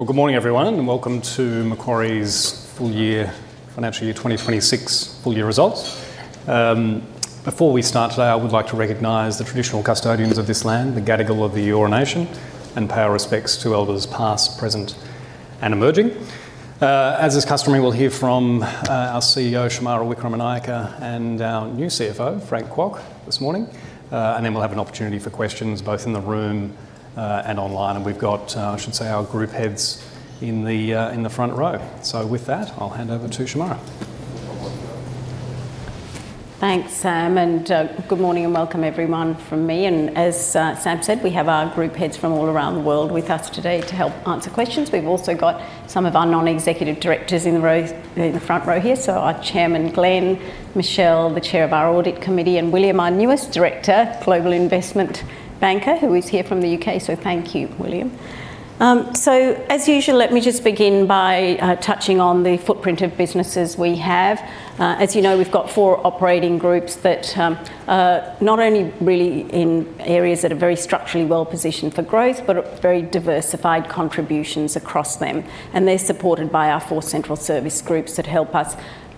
Well, good morning everyone, welcome to Macquarie's full year financial year 2026 full year results. Before we start today, I would like to recognize the traditional custodians of this land, the Gadigal of the Eora Nation, and pay our respects to elders past, present, and emerging. As is customary, we'll hear from our CEO, Shemara Wikramanayake, and our new CFO, Frank Kwok, this morning. Then we'll have an opportunity for questions both in the room and online. We've got, I should say, our group heads in the front row. With that, I'll hand over to Shemara. Thanks, Sam, good morning and welcome everyone from me. As Sam said, we have our Group Heads from all around the world with us today to help answer questions. We've also got some of our non-executive directors in the front row here. Our Chairman, Glenn, Michelle, the Chair of our Audit Committee, and William, our newest director, global investment banker, who is here from the U.K. Thank you, William. As usual, let me just begin by touching on the footprint of businesses we have. As you know, we've got four operating groups that not only really in areas that are very structurally well-positioned for growth, but are very diversified contributions across them. They're supported by our four central service groups that help us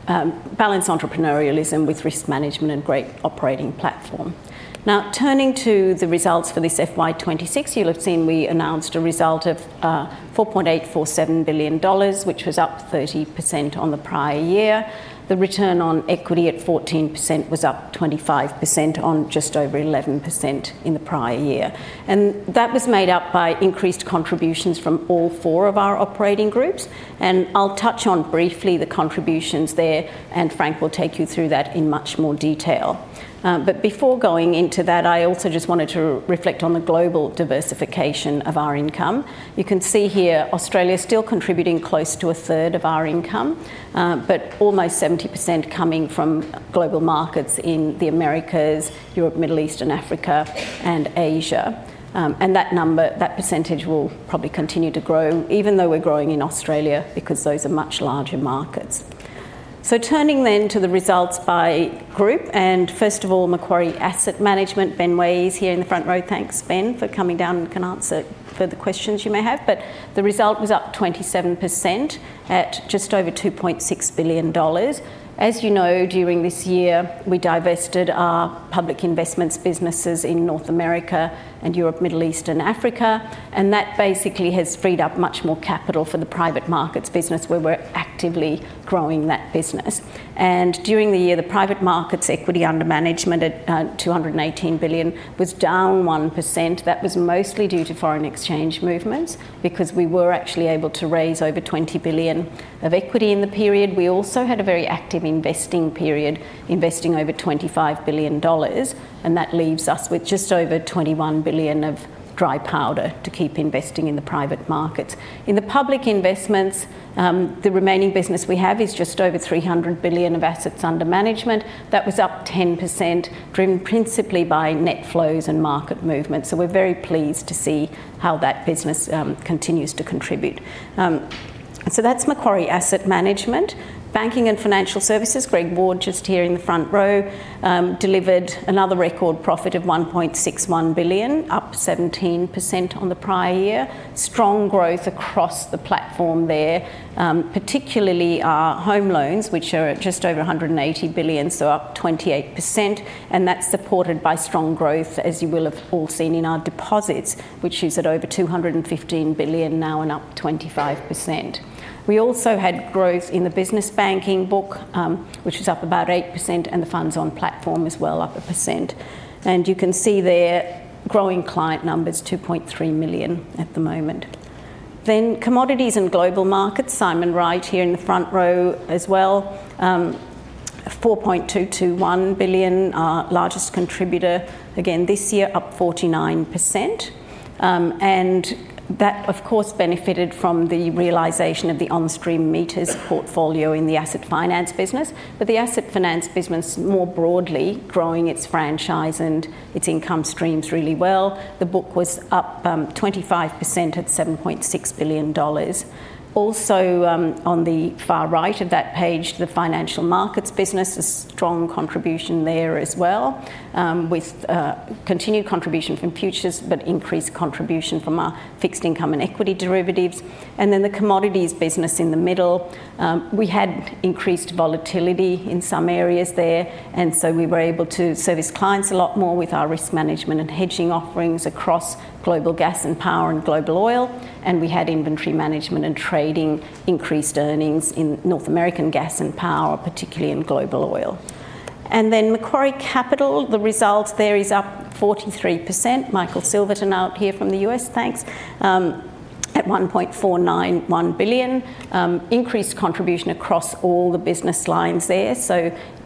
balance entrepreneurialism with risk management and great operating platform. Now, turning to the results for this FY 2026, you'll have seen we announced a result of 4.847 billion dollars, which was up 30% on the prior year. The return on equity at 14% was up 25% on just over 11% in the prior year. That was made up by increased contributions from all four of our operating groups, I'll touch on briefly the contributions there, Frank will take you through that in much more detail. Before going into that, I also just wanted to reflect on the global diversification of our income. You can see here Australia still contributing close to a third of our income, almost 70% coming from global markets in the Americas, Europe, Middle East and Africa, and Asia. That number, that percentage will probably continue to grow even though we're growing in Australia, because those are much larger markets. Turning to the results by group, first of all, Macquarie Asset Management. Ben Way is here in the front row. Thanks, Ben, for coming down and can answer further questions you may have. The result was up 27% at just over 2.6 billion dollars. As you know, during this year, we divested our public investments businesses in North America and Europe, Middle East and Africa, and that basically has freed up much more capital for the private markets business where we're actively growing that business. During the year, the private markets equity under management at 218 billion was down 1%. That was mostly due to foreign exchange movements, because we were actually able to raise over 20 billion of equity in the period. We also had a very active investing period, investing over 25 billion dollars, and that leaves us with just over 21 billion of dry powder to keep investing in the private markets. In the public investments, the remaining business we have is just over 300 billion of assets under management. That was up 10%, driven principally by net flows and market movement. We're very pleased to see how that business continues to contribute. That's Macquarie Asset Management. Banking and Financial Services, Greg Ward just here in the front row, delivered another record profit of 1.61 billion, up 17% on the prior year. Strong growth across the platform there, particularly our home loans, which are at just over 180 billion, up 28%. That's supported by strong growth, as you will have all seen in our deposits, which is at over 215 billion now and up 25%. We also had growth in the business banking book, which is up about 8% and the funds on platform as well up 1%. You can see there growing client numbers, 2.3 million at the moment. Commodities and Global Markets, Simon Wright here in the front row as well. 4.221 billion, our largest contributor again this year, up 49%. That of course benefited from the realization of the OnStream meters portfolio in the asset finance business. The asset finance business more broadly growing its franchise and its income streams really well. The book was up 25% at 7.6 billion dollars. On the far right of that page, the Financial Markets business, a strong contribution there as well, with continued contribution from futures, but increased contribution from our fixed income and equity derivatives. The Commodities business in the middle, we had increased volatility in some areas there. We were able to service clients a lot more with our risk management and hedging offerings across global gas and power and global oil. We had inventory management and trading increased earnings in North American gas and power, particularly in global oil. Macquarie Capital, the results there is up 43%. Michael Silverton out here from the U.S., thanks. At 1.491 billion. Increased contribution across all the business lines there.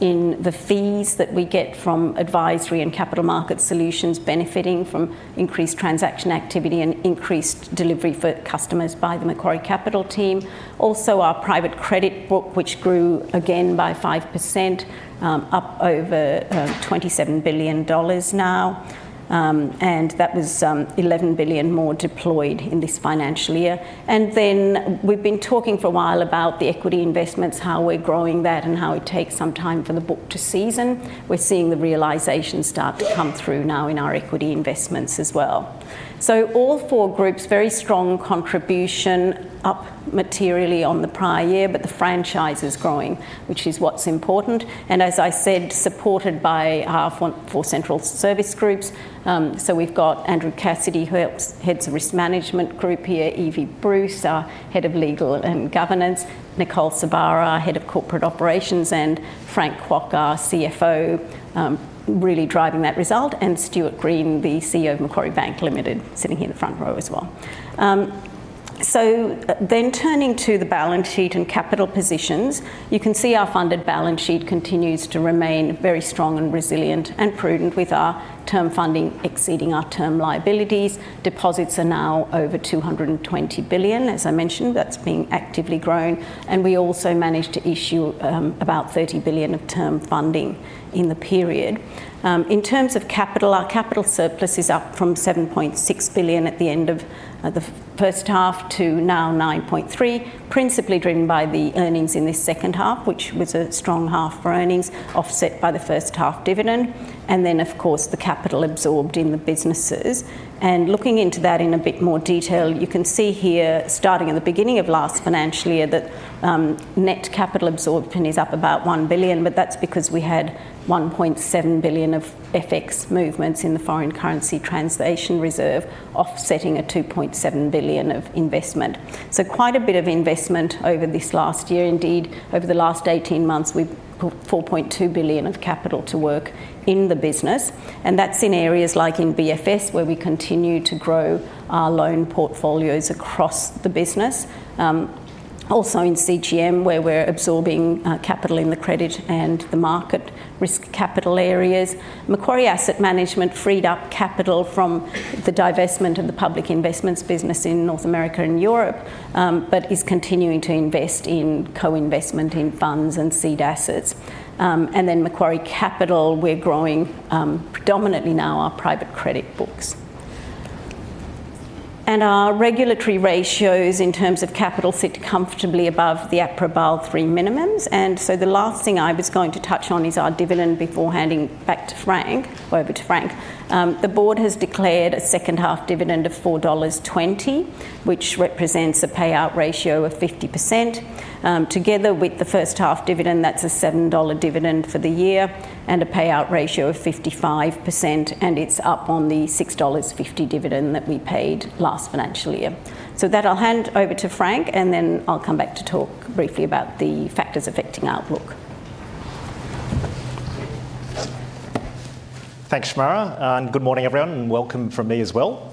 In the fees that we get from advisory and capital market solutions benefiting from increased transaction activity and increased delivery for customers by the Macquarie Capital team. Our private credit book, which grew again by 5%, up over 27 billion dollars now. That was 11 billion more deployed in this financial year. We've been talking for a while about the equity investments, how we're growing that and how it takes some time for the book to season. We're seeing the realization start to come through now in our equity investments as well. All four groups, very strong contribution up materially on the prior year. The franchise is growing, which is what's important. As I said, supported by our four central service groups. We've got Andrew Cassidy, who helps heads the Risk Management Group here. Evie Bruce, our Head of Legal and Governance. Nicole Sorbara, our Head of Corporate Operations. Frank Kwok, our CFO, really driving that result. Stuart Green, the CEO of Macquarie Bank Limited, sitting here in the front row as well. Turning to the balance sheet and capital positions, you can see our funded balance sheet continues to remain very strong and resilient and prudent with our term funding exceeding our term liabilities. Deposits are now over 220 billion. As I mentioned, that's being actively grown, and we also managed to issue about 30 billion of term funding in the period. In terms of capital, our capital surplus is up from 7.6 billion at the end of the first half to now 9.3 billion, principally driven by the earnings in this second half, which was a strong half for earnings offset by the first half dividend and then of course the capital absorbed in the businesses. Looking into that in a bit more detail, you can see here starting in the beginning of last financial year that net capital absorption is up about 1 billion, but that's because we had 1.7 billion of FX movements in the foreign currency translation reserve offsetting 2.7 billion of investment. Quite a bit of investment over this last year. Indeed, over the last 18 months we've put 4.2 billion of capital to work in the business. That's in areas like in BFS where we continue to grow our loan portfolios across the business. Also in CGM, where we're absorbing capital in the credit and the market risk capital areas. Macquarie Asset Management freed up capital from the divestment of the public investments business in North America and Europe, but is continuing to invest in co-investment in funds and seed assets. Macquarie Capital, we're growing predominantly now our private credit books. Our regulatory ratios in terms of capital sit comfortably above the APRA Basel III minimums. The last thing I was going to touch on is our dividend before handing back to Frank, over to Frank. The board has declared a second half dividend of 4.20 dollars, which represents a payout ratio of 50%. Together with the first half dividend, that's a 7 dollar dividend for the year and a payout ratio of 55%, and it's up on the 6.50 dollars dividend that we paid last financial year. With that, I'll hand over to Frank, and then I'll come back to talk briefly about the factors affecting our outlook. Thanks, Shemara, and good morning everyone, and welcome from me as well.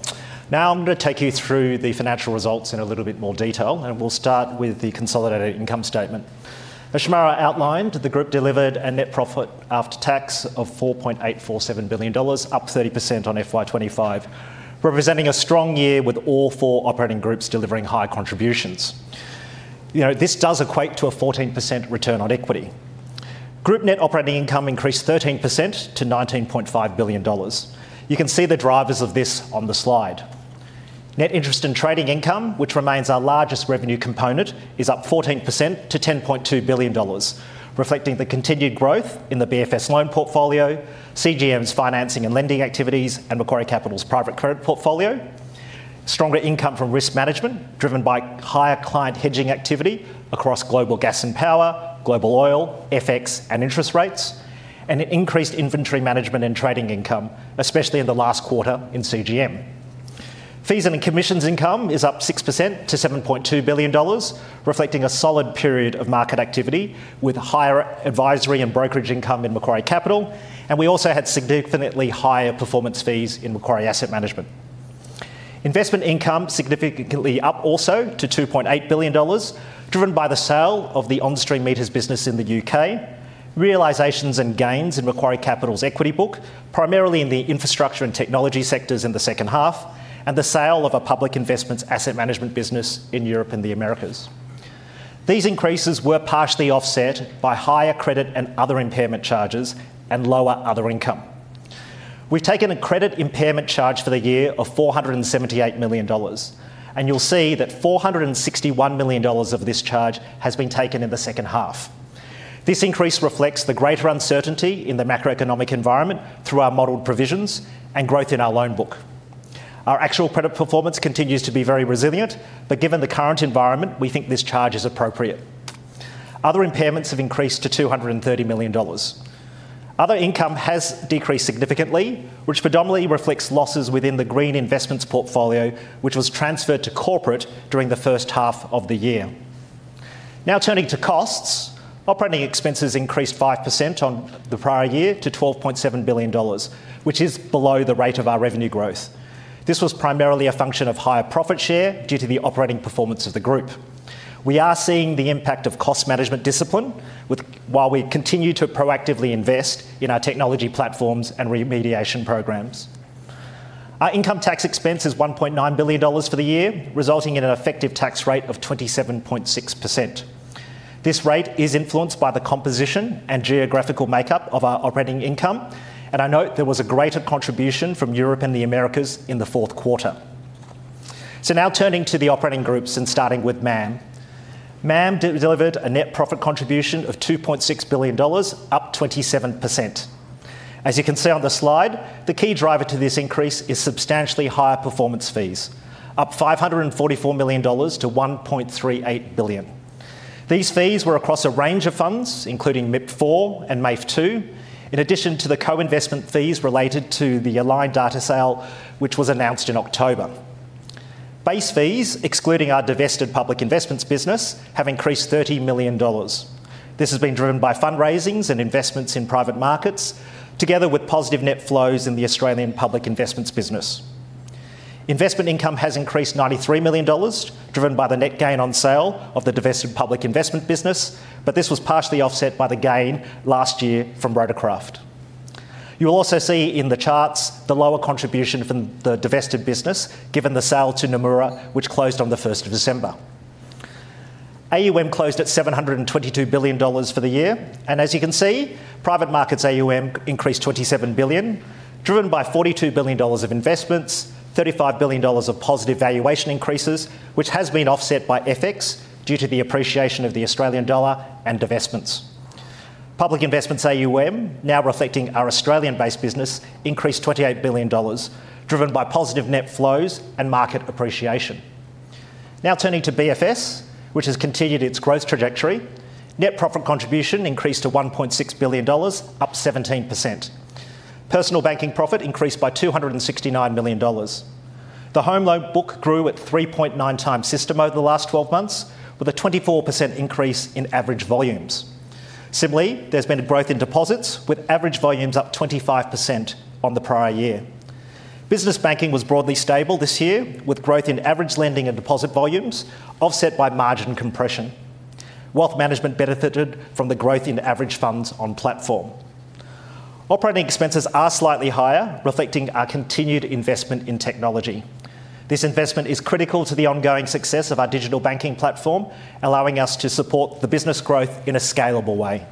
I'm gonna take you through the financial results in a little bit more detail, and we'll start with the consolidated income statement. As Shemara outlined, the group delivered a net profit after tax of 4.847 billion dollars, up 30% on FY 2025, representing a strong year with all four operating groups delivering high contributions. This does equate to a 14% return on equity. Group net operating income increased 13% to 19.5 billion dollars. You can see the drivers of this on the slide. Net interest in trading income, which remains our largest revenue component, is up 14% to 10.2 billion dollars, reflecting the continued growth in the BFS loan portfolio, CGM's financing and lending activities, and Macquarie Capital's private credit portfolio. Stronger income from risk management, driven by higher client hedging activity across global gas and power, global oil, FX and interest rates, and increased inventory management and trading income, especially in the last quarter in CGM. Fees and commissions income is up 6% to 7.2 billion dollars, reflecting a solid period of market activity with higher advisory and brokerage income in Macquarie Capital. We also had significantly higher performance fees in Macquarie Asset Management. Investment income significantly up also to 2.8 billion dollars, driven by the sale of the OnStream Meters business in the U.K., realizations and gains in Macquarie Capital's equity book, primarily in the infrastructure and technology sectors in the second half, and the sale of a Public Investments Asset Management business in Europe and the Americas. These increases were partially offset by higher credit and other impairment charges and lower other income. We've taken a credit impairment charge for the year of 478 million dollars, you'll see that 461 million dollars of this charge has been taken in the second half. This increase reflects the greater uncertainty in the macroeconomic environment through our modeled provisions and growth in our loan book. Our actual credit performance continues to be very resilient, given the current environment, we think this charge is appropriate. Other impairments have increased to 230 million dollars. Other income has decreased significantly, which predominantly reflects losses within the green investments portfolio, which was transferred to Corporate during the first half of the year. Now turning to costs, operating expenses increased 5% on the prior year to 12.7 billion dollars, which is below the rate of our revenue growth. This was primarily a function of higher profit share due to the operating performance of the group. We are seeing the impact of cost management discipline while we continue to proactively invest in our technology platforms and remediation programs. Our income tax expense is 1.9 billion dollars for the year, resulting in an effective tax rate of 27.6%. This rate is influenced by the composition and geographical makeup of our operating income, and I note there was a greater contribution from Europe and the Americas in the fourth quarter. Now turning to the operating groups and starting with MAM. MAM delivered a net profit contribution of 2.6 billion dollars, up 27%. As you can see on the slide, the key driver to this increase is substantially higher performance fees, up 544 million dollars to 1.38 billion. These fees were across a range of funds, including MIP IV and MAIF II, in addition to the co-investment fees related to the Aligned Data sale, which was announced in October. Base fees, excluding our divested public investments business, have increased 30 million dollars. This has been driven by fundraisings and investments in private markets, together with positive net flows in the Australian public investments business. Investment income has increased 93 million dollars, driven by the net gain on sale of the divested public investment business. This was partially offset by the gain last year from Rotorcraft. You will also see in the charts the lower contribution from the divested business, given the sale to Nomura, which closed on the 1st of December. AUM closed at 722 billion dollars for the year. As you can see, private markets AUM increased 27 billion, driven by 42 billion dollars of investments, 35 billion dollars of positive valuation increases, which has been offset by FX due to the appreciation of the Australian dollar and divestments. Public investments AUM, now reflecting our Australian-based business, increased 28 billion dollars, driven by positive net flows and market appreciation. Turning to BFS, which has continued its growth trajectory. Net profit contribution increased to 1.6 billion dollars, up 17%. Personal banking profit increased by 269 million dollars. The home loan book grew at 3.9 times system over the last 12 months, with a 24% increase in average volumes. Similarly, there's been growth in deposits, with average volumes up 25% on the prior year. Business Banking was broadly stable this year, with growth in average lending and deposit volumes offset by margin compression. Wealth Management benefited from the growth in average funds on platform. Operating Expenses are slightly higher, reflecting our continued investment in technology. This investment is critical to the ongoing success of our digital banking platform, allowing us to support the business growth in a scalable way.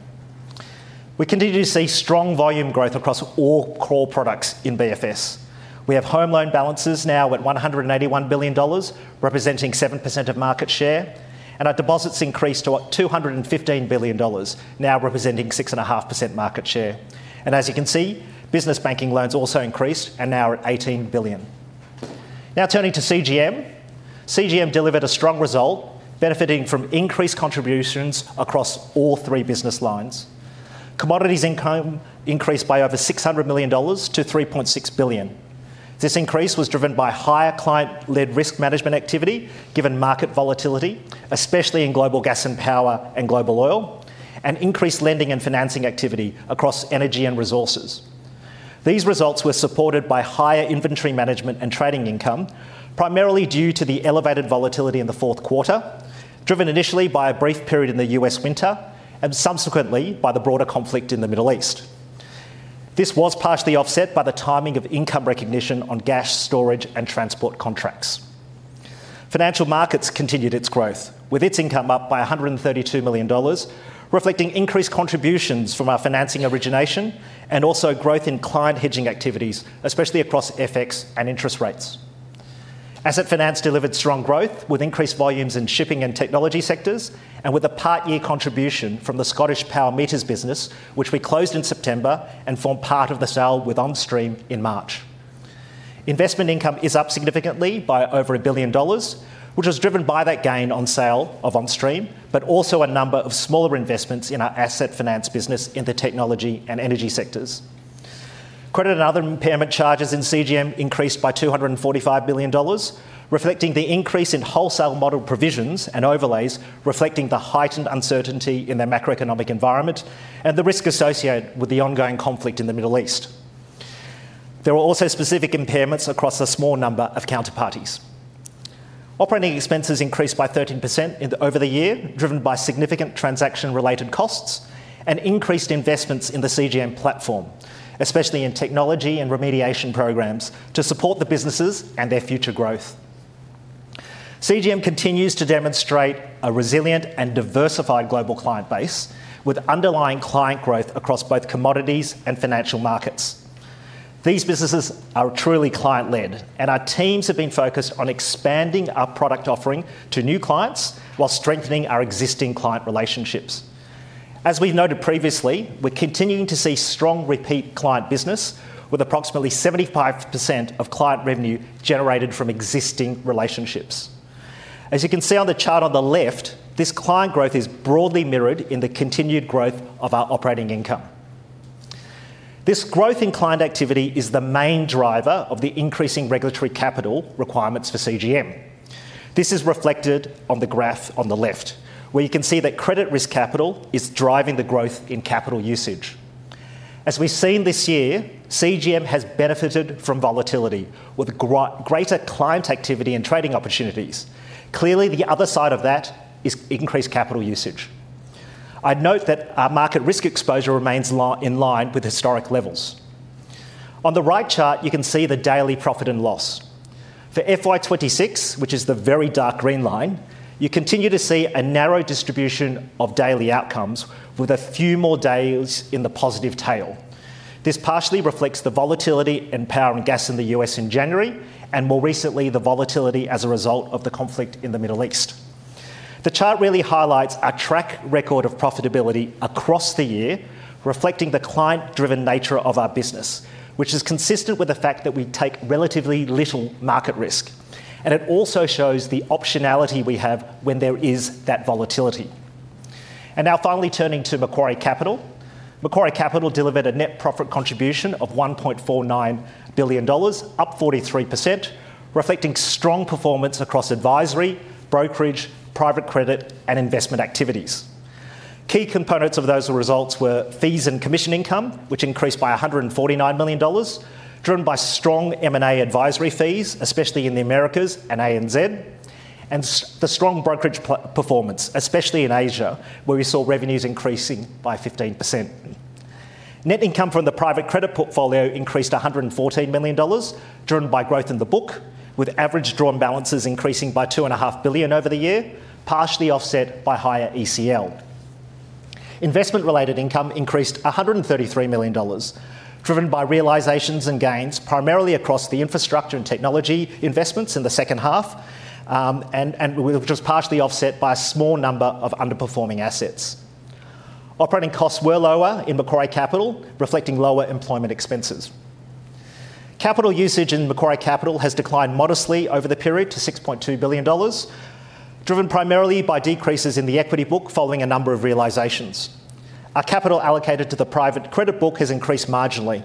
We continue to see strong volume growth across all core products in BFS. We have home loan balances now at 181 billion dollars, representing 7% of market share, and our deposits increased to 215 billion dollars, now representing 6.5% market share. As you can see, business banking loans also increased and now are at 18 billion. Turning to CGM. CGM delivered a strong result, benefiting from increased contributions across all three business lines. Commodities income increased by over 600 million dollars to 3.6 billion. This increase was driven by higher client-led risk management activity, given market volatility, especially in global gas and power and global oil, and increased lending and financing activity across energy and resources. These results were supported by higher inventory management and trading income, primarily due to the elevated volatility in the fourth quarter, driven initially by a brief period in the U.S. winter and subsequently by the broader conflict in the Middle East. This was partially offset by the timing of income recognition on gas storage and transport contracts. Financial markets continued its growth, with its income up by 132 million dollars, reflecting increased contributions from our financing origination and also growth in client hedging activities, especially across FX and interest rates. Asset finance delivered strong growth with increased volumes in shipping and technology sectors, and with a part-year contribution from the ScottishPower's smart meter business, which we closed in September and formed part of the sale with OnStream in March. Investment income is up significantly by over 1 billion dollars, which was driven by that gain on sale of OnStream, but also a number of smaller investments in our asset finance business in the technology and energy sectors. Credit and other impairment charges in CGM increased by 245 million dollars, reflecting the increase in wholesale model provisions and overlays, reflecting the heightened uncertainty in the macroeconomic environment and the risk associated with the ongoing conflict in the Middle East. There were also specific impairments across a small number of counterparties. Operating expenses increased by 13% over the year, driven by significant transaction-related costs and increased investments in the CGM platform, especially in technology and remediation programs to support the businesses and their future growth. CGM continues to demonstrate a resilient and diversified global client base, with underlying client growth across both commodities and financial markets. These businesses are truly client-led, and our teams have been focused on expanding our product offering to new clients while strengthening our existing client relationships. As we noted previously, we're continuing to see strong repeat client business, with approximately 75% of client revenue generated from existing relationships. As you can see on the chart on the left, this client growth is broadly mirrored in the continued growth of our operating income. This growth in client activity is the main driver of the increasing regulatory capital requirements for CGM. This is reflected on the graph on the left, where you can see that credit risk capital is driving the growth in capital usage. As we've seen this year, CGM has benefited from volatility, with greater client activity and trading opportunities. Clearly, the other side of that is increased capital usage. I'd note that our market risk exposure remains in line with historic levels. On the right chart, you can see the daily profit and loss. For FY 2026, which is the very dark green line, you continue to see a narrow distribution of daily outcomes, with a few more days in the positive tail. This partially reflects the volatility in power and gas in the U.S. in January, and more recently, the volatility as a result of the conflict in the Middle East. The chart really highlights our track record of profitability across the year, reflecting the client-driven nature of our business, which is consistent with the fact that we take relatively little market risk. It also shows the optionality we have when there is that volatility. Now finally turning to Macquarie Capital. Macquarie Capital delivered a net profit contribution of 1.49 billion dollars, up 43%, reflecting strong performance across advisory, brokerage, private credit, and investment activities. Key components of those results were fees and commission income, which increased by 149 million dollars, driven by strong M&A advisory fees, especially in the Americas and ANZ, and the strong brokerage performance, especially in Asia, where we saw revenues increasing by 15%. Net income from the private credit portfolio increased 114 million dollars, driven by growth in the book, with average drawn balances increasing by 2.5 billion Over the year, partially offset by higher ECL. Investment related income increased 133 million dollars, driven by realizations and gains, primarily across the infrastructure and technology investments in the second half, which was partially offset by a small number of underperforming assets. Operating costs were lower in Macquarie Capital, reflecting lower employment expenses. Capital usage in Macquarie Capital has declined modestly over the period to 6.2 billion dollars, driven primarily by decreases in the equity book following a number of realizations. Our capital allocated to the private credit book has increased marginally.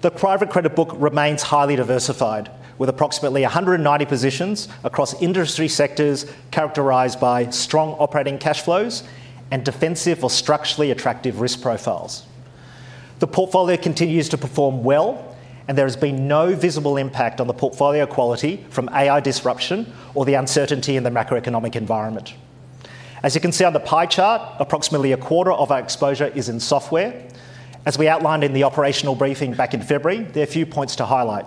The private credit book remains highly diversified, with approximately 190 positions across industry sectors characterized by strong operating cash flows and defensive or structurally attractive risk profiles. The portfolio continues to perform well. There has been no visible impact on the portfolio quality from AI disruption or the uncertainty in the macroeconomic environment. As you can see on the pie chart, approximately a quarter of our exposure is in software. As we outlined in the operational briefing back in February, there are a few points to highlight.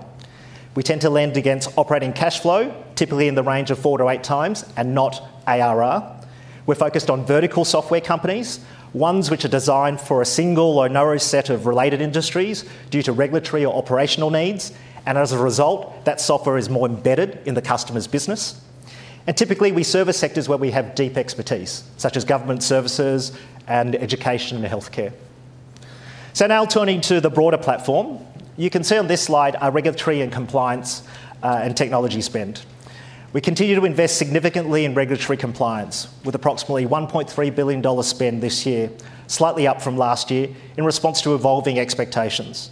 We tend to lend against operating cash flow, typically in the range of 4x-8x, and not ARR. We're focused on vertical software companies, ones which are designed for a single or narrow set of related industries due to regulatory or operational needs, and as a result, that software is more embedded in the customer's business. Typically, we service sectors where we have deep expertise, such as government services and education and healthcare. Now turning to the broader platform. You can see on this slide our regulatory and compliance and technology spend. We continue to invest significantly in regulatory compliance with approximately 1.3 billion dollars spend this year, slightly up from last year, in response to evolving expectations.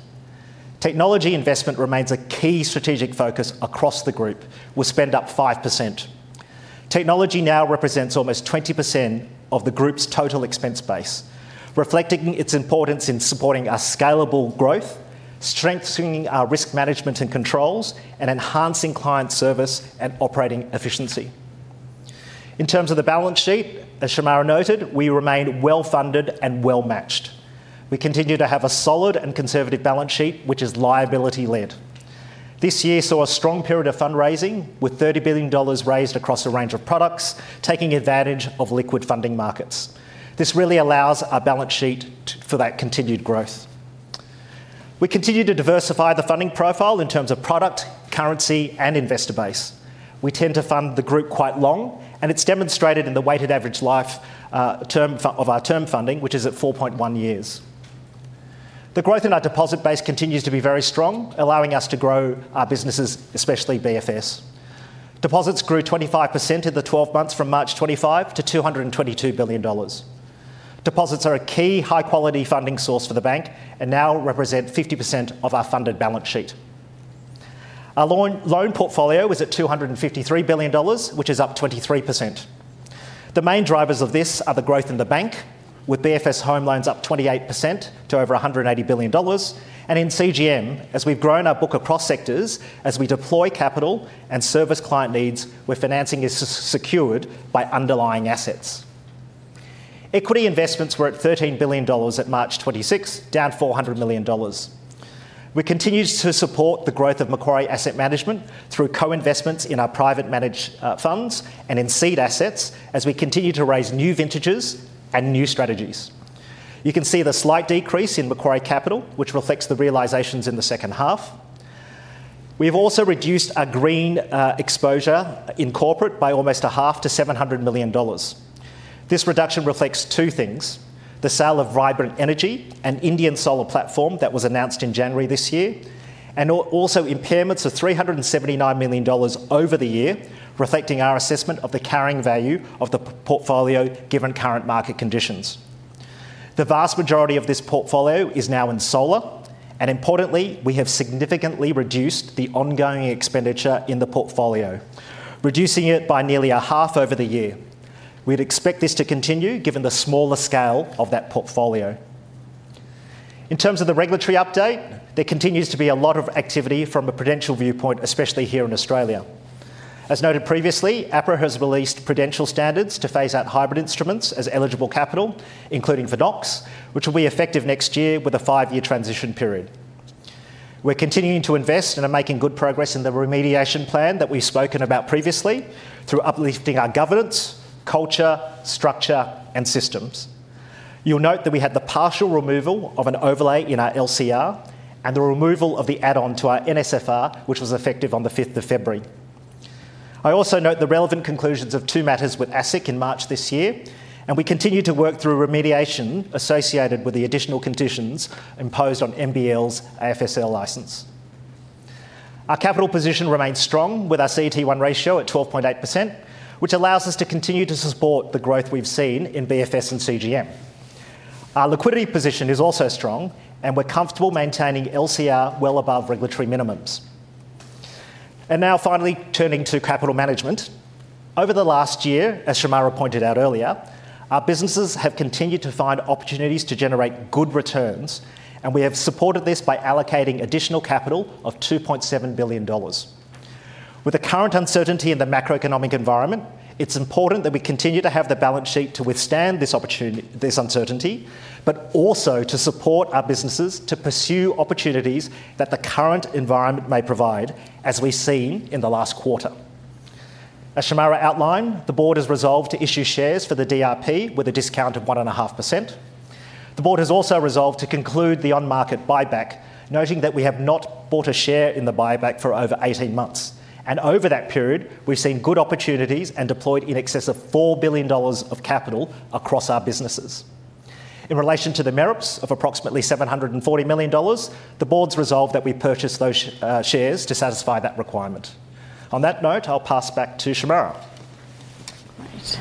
Technology investment remains a key strategic focus across the group. We'll spend up 5%. Technology now represents almost 20% of the group's total expense base, reflecting its importance in supporting our scalable growth, strengthening our risk management and controls, and enhancing client service and operating efficiency. In terms of the balance sheet, as Shemara noted, we remain well-funded and well-matched. We continue to have a solid and conservative balance sheet, which is liability led. This year saw a strong period of fundraising, with 30 billion dollars raised across a range of products, taking advantage of liquid funding markets. This really allows our balance sheet for that continued growth. We continue to diversify the funding profile in terms of product, currency, and investor base. We tend to fund the group quite long, and it's demonstrated in the weighted average life of our term funding, which is at 4.1 years. The growth in our deposit base continues to be very strong, allowing us to grow our businesses, especially BFS. Deposits grew 25% in the 12 months from March 25 to 222 billion dollars. Deposits are a key high-quality funding source for the bank and now represent 50% of our funded balance sheet. Our loan portfolio was at 253 billion dollars, which is up 23%. The main drivers of this are the growth in the bank, with BFS home loans up 28% to over 180 billion dollars, and in CGM, as we've grown our book across sectors, as we deploy capital and service client needs, where financing is secured by underlying assets. Equity investments were at 13 billion dollars at March 26, down 400 million dollars. We continue to support the growth of Macquarie Asset Management through co-investments in our private managed funds and in seed assets as we continue to raise new vintages and new strategies. You can see the slight decrease in Macquarie Capital, which reflects the realizations in the second half. We have also reduced our green exposure in corporate by almost a half to 700 million dollars. This reduction reflects two things: the sale of Vibrant Energy, an Indian solar platform that was announced in January this year, also impairments of 379 million dollars over the year, reflecting our assessment of the carrying value of the portfolio given current market conditions. The vast majority of this portfolio is now in solar. Importantly, we have significantly reduced the ongoing expenditure in the portfolio, reducing it by nearly a half over the year. We would expect this to continue given the smaller scale of that portfolio. In terms of the regulatory update, there continues to be a lot of activity from a prudential viewpoint, especially here in Australia. As noted previously, APRA has released prudential standards to phase out hybrid instruments as eligible capital, including for D-SIBs, which will be effective next year with a five-year transition period. We're continuing to invest and are making good progress in the remediation plan that we've spoken about previously through uplifting our governance, culture, structure, and systems. You'll note that we had the partial removal of an overlay in our LCR and the removal of the add-on to our NSFR, which was effective on the 5th of February. I also note the relevant conclusions of two matters with ASIC in March this year, and we continue to work through remediation associated with the additional conditions imposed on MBL's AFSL license. Our capital position remains strong, with our CET1 ratio at 12.8%, which allows us to continue to support the growth we've seen in BFS and CGM. Our liquidity position is also strong, and we're comfortable maintaining LCR well above regulatory minimums. Finally, turning to capital management. Over the last year, as Shemara pointed out earlier, our businesses have continued to find opportunities to generate good returns, and we have supported this by allocating additional capital of 2.7 billion dollars. With the current uncertainty in the macroeconomic environment, it's important that we continue to have the balance sheet to withstand this uncertainty, but also to support our businesses to pursue opportunities that the current environment may provide, as we've seen in the last quarter. As Shemara outlined, the board has resolved to issue shares for the DRP with a discount of 1.5%. The board has also resolved to conclude the on-market buyback, noting that we have not bought a share in the buyback for over 18 months. Over that period, we've seen good opportunities and deployed in excess of 4 billion dollars of capital across our businesses. In relation to the MEREPs of approximately 740 million dollars, the board has resolved that we purchase those shares to satisfy that requirement. On that note, I will pass back to Shemara. Great.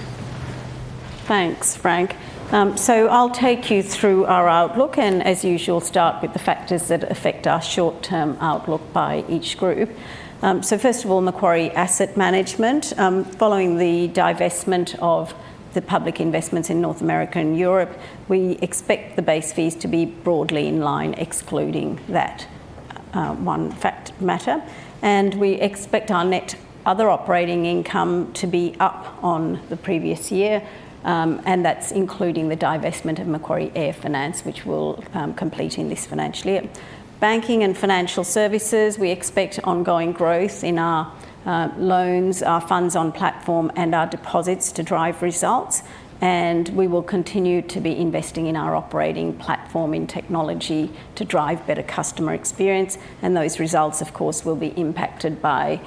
Thanks, Frank. I'll take you through our outlook and, as usual, start with the factors that affect our short-term outlook by each group. First of all, Macquarie Asset Management. Following the divestment of the public investments in North America and Europe, we expect the base fees to be broadly in line, excluding that matter. We expect our net other operating income to be up on the previous year, and that's including the divestment of Macquarie AirFinance, which we'll complete in this financial year. Banking and Financial Services, we expect ongoing growth in our loans, our funds on platform, and our deposits to drive results. We will continue to be investing in our operating platform in technology to drive better customer experience. Those results, of course, will be impacted by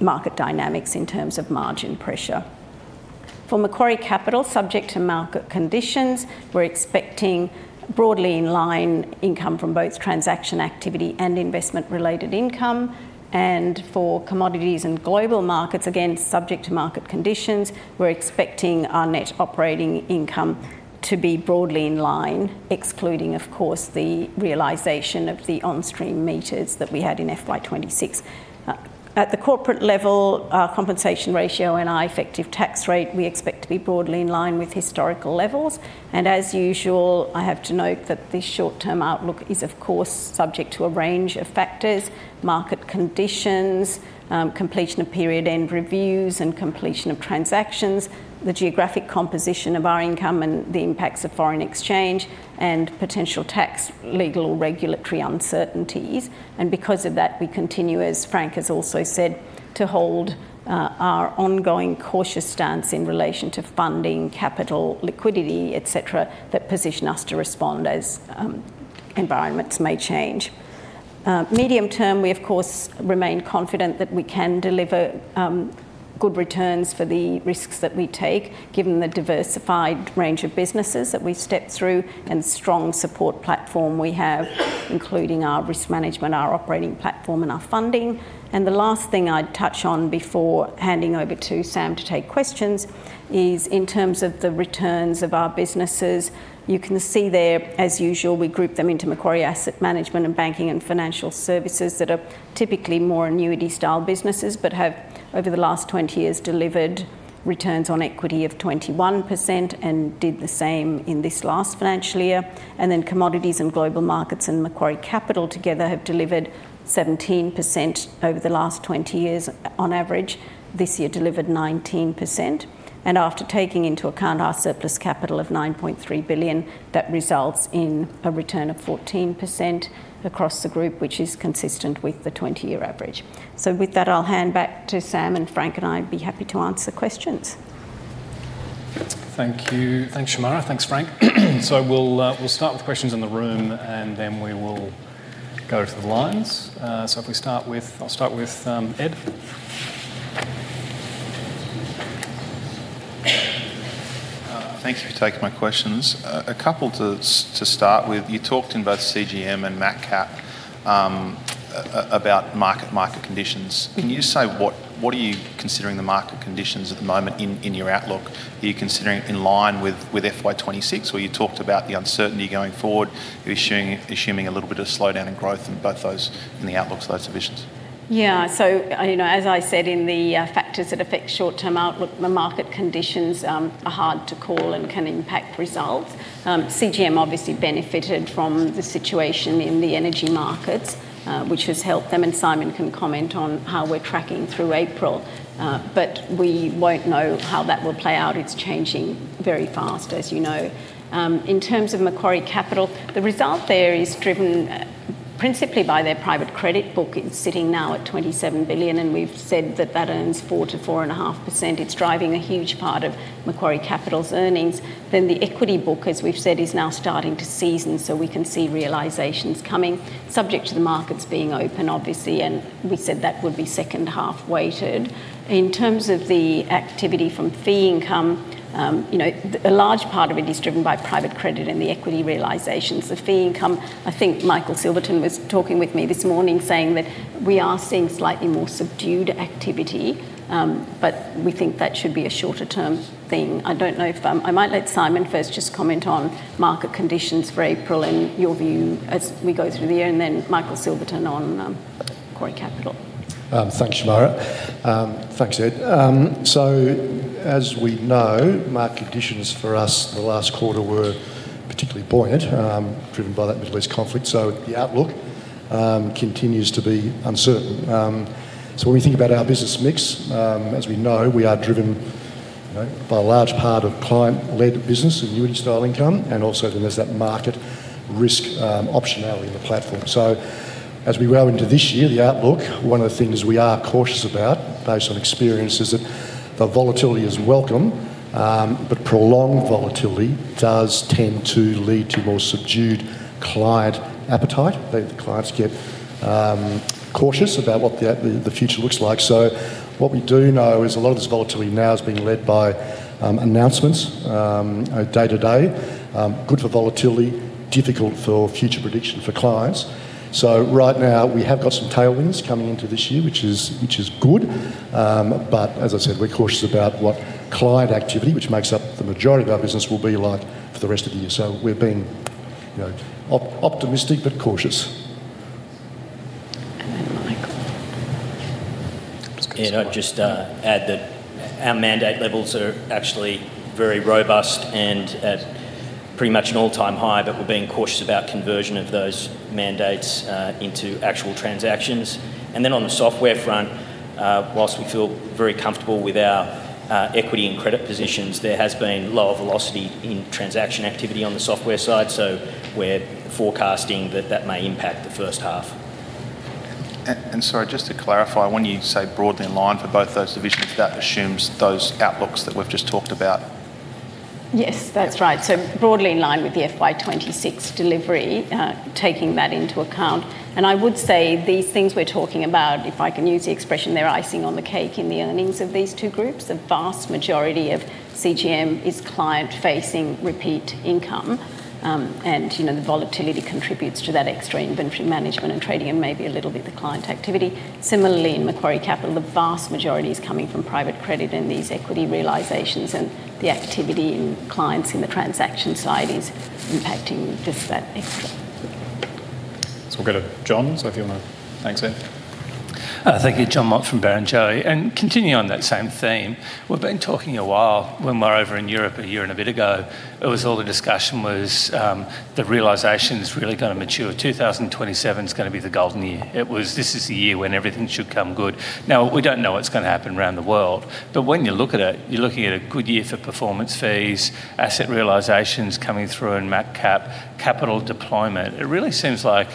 market dynamics in terms of margin pressure. For Macquarie Capital, subject to market conditions, we're expecting broadly in line income from both transaction activity and investment-related income. For Commodities and Global Markets, again, subject to market conditions, we're expecting our net operating income to be broadly in line, excluding, of course, the realization of the OnStream meters that we had in FY 2026. At the corporate level, our compensation ratio and our effective tax rate, we expect to be broadly in line with historical levels. As usual, I have to note that this short-term outlook is, of course, subject to a range of factors, market conditions, completion of period-end reviews and completion of transactions, the geographic composition of our income and the impacts of foreign exchange, and potential tax, legal or regulatory uncertainties. Because of that, we continue, as Frank has also said, to hold our ongoing cautious stance in relation to funding, capital, liquidity, et cetera, that position us to respond as environments may change. Medium-term, we of course remain confident that we can deliver good returns for the risks that we take, given the diversified range of businesses that we step through and strong support platform we have, including our risk management, our operating platform, and our funding. The last thing I'd touch on before handing over to Sam to take questions is in terms of the returns of our businesses. You can see there, as usual, we group them into Macquarie Asset Management and Banking and Financial Services that are typically more annuity style businesses, but have over the last 20 years delivered returns on equity of 21% and did the same in this last financial year. Commodities and Global Markets and Macquarie Capital together have delivered 17% over the last 20 years on average. This year delivered 19%. After taking into account our surplus capital of 9.3 billion, that results in a return of 14% across the group, which is consistent with the 20-year average. With that, I'll hand back to Sam and Frank, and I'd be happy to answer questions. Thank you. Thanks, Shemara. Thanks, Frank. We'll start with questions in the room, and then we will go to the lines. I'll start with Ed. Thank you for taking my questions. A couple to start with. You talked in both CGM and MacCap about market conditions. Can you just say what are you considering the market conditions at the moment in your outlook? Are you considering in line with FY 2026, or you talked about the uncertainty going forward? You're assuming a little bit of slowdown in growth in both those, in the outlooks for those divisions. Yeah. As I said in the factors that affect short-term outlook, the market conditions are hard to call and can impact results. CGM obviously benefited from the situation in the energy markets, which has helped them, and Simon can comment on how we're tracking through April. We won't know how that will play out. It's changing very fast, as you know. In terms of Macquarie Capital, the result there is driven principally by their private credit book. It's sitting now at 27 billion, and we've said that that earns 4%-4.5%. It's driving a huge part of Macquarie Capital's earnings. The equity book, as we've said, is now starting to season, so we can see realizations coming, subject to the markets being open, obviously, and we said that would be second half weighted. In terms of the activity from fee income, you know, a large part of it is driven by private credit and the equity realizations. The fee income, I think Michael Silverton was talking with me this morning saying that we are seeing slightly more subdued activity, but we think that should be a shorter term thing. I don't know if, I might let Simon first just comment on market conditions for April and your view as we go through the year, and then Michael Silverton on Macquarie Capital. Thanks, Shemara. Thanks, Ed. As we know, market conditions for us the last quarter were particularly buoyant, driven by that Middle East conflict. The outlook continues to be uncertain. When we think about our business mix, as we know, we are driven, you know, by a large part of client-led business, annuity-style income, and also then there's that market risk optionality in the platform. As we roll into this year, the outlook, one of the things we are cautious about based on experience is that the volatility is welcome, but prolonged volatility does tend to lead to more subdued client appetite. The clients get cautious about what the future looks like. What we do know is a lot of this volatility now is being led by announcements day to day. Good for volatility, difficult for future prediction for clients. Right now we have got some tailwinds coming into this year, which is good. As I said, we're cautious about what client activity, which makes up the majority of our business, will be like for the rest of the year. We're being, you know, optimistic but cautious. Michael. Yeah, I'd just add that our mandate levels are actually very robust and at pretty much an all-time high, but we're being cautious about conversion of those mandates into actual transactions. On the software front, whilst we feel very comfortable with our equity and credit positions, there has been lower velocity in transaction activity on the software side. We're forecasting that that may impact the first half. Sorry, just to clarify, when you say broadly in line for both those divisions, that assumes those outlooks that we've just talked about? Yes, that's right. Broadly in line with the FY 2026 delivery, taking that into account. I would say these things we're talking about, if I can use the expression, they're icing on the cake in the earnings of these two groups. The vast majority of CGM is client-facing repeat income. You know, the volatility contributes to that extra inventory management and trading and maybe a little bit the client activity. Similarly, in Macquarie Capital, the vast majority is coming from private credit and these equity realizations and the activity in clients in the transaction side is impacting just that extra. We'll go to Jon. Thanks, Sam. Jon Mott from Barrenjoey. Continuing on that same theme, we've been talking a while. When we were over in Europe a year and a bit ago, it was all the discussion was, the realization's really gonna mature. 2027's gonna be the golden year. It was, "This is the year when everything should come good." Now, we don't know what's gonna happen around the world, but when you look at it, you're looking at a good year for performance fees, asset realizations coming through in MacCap, capital deployment. It really seems like,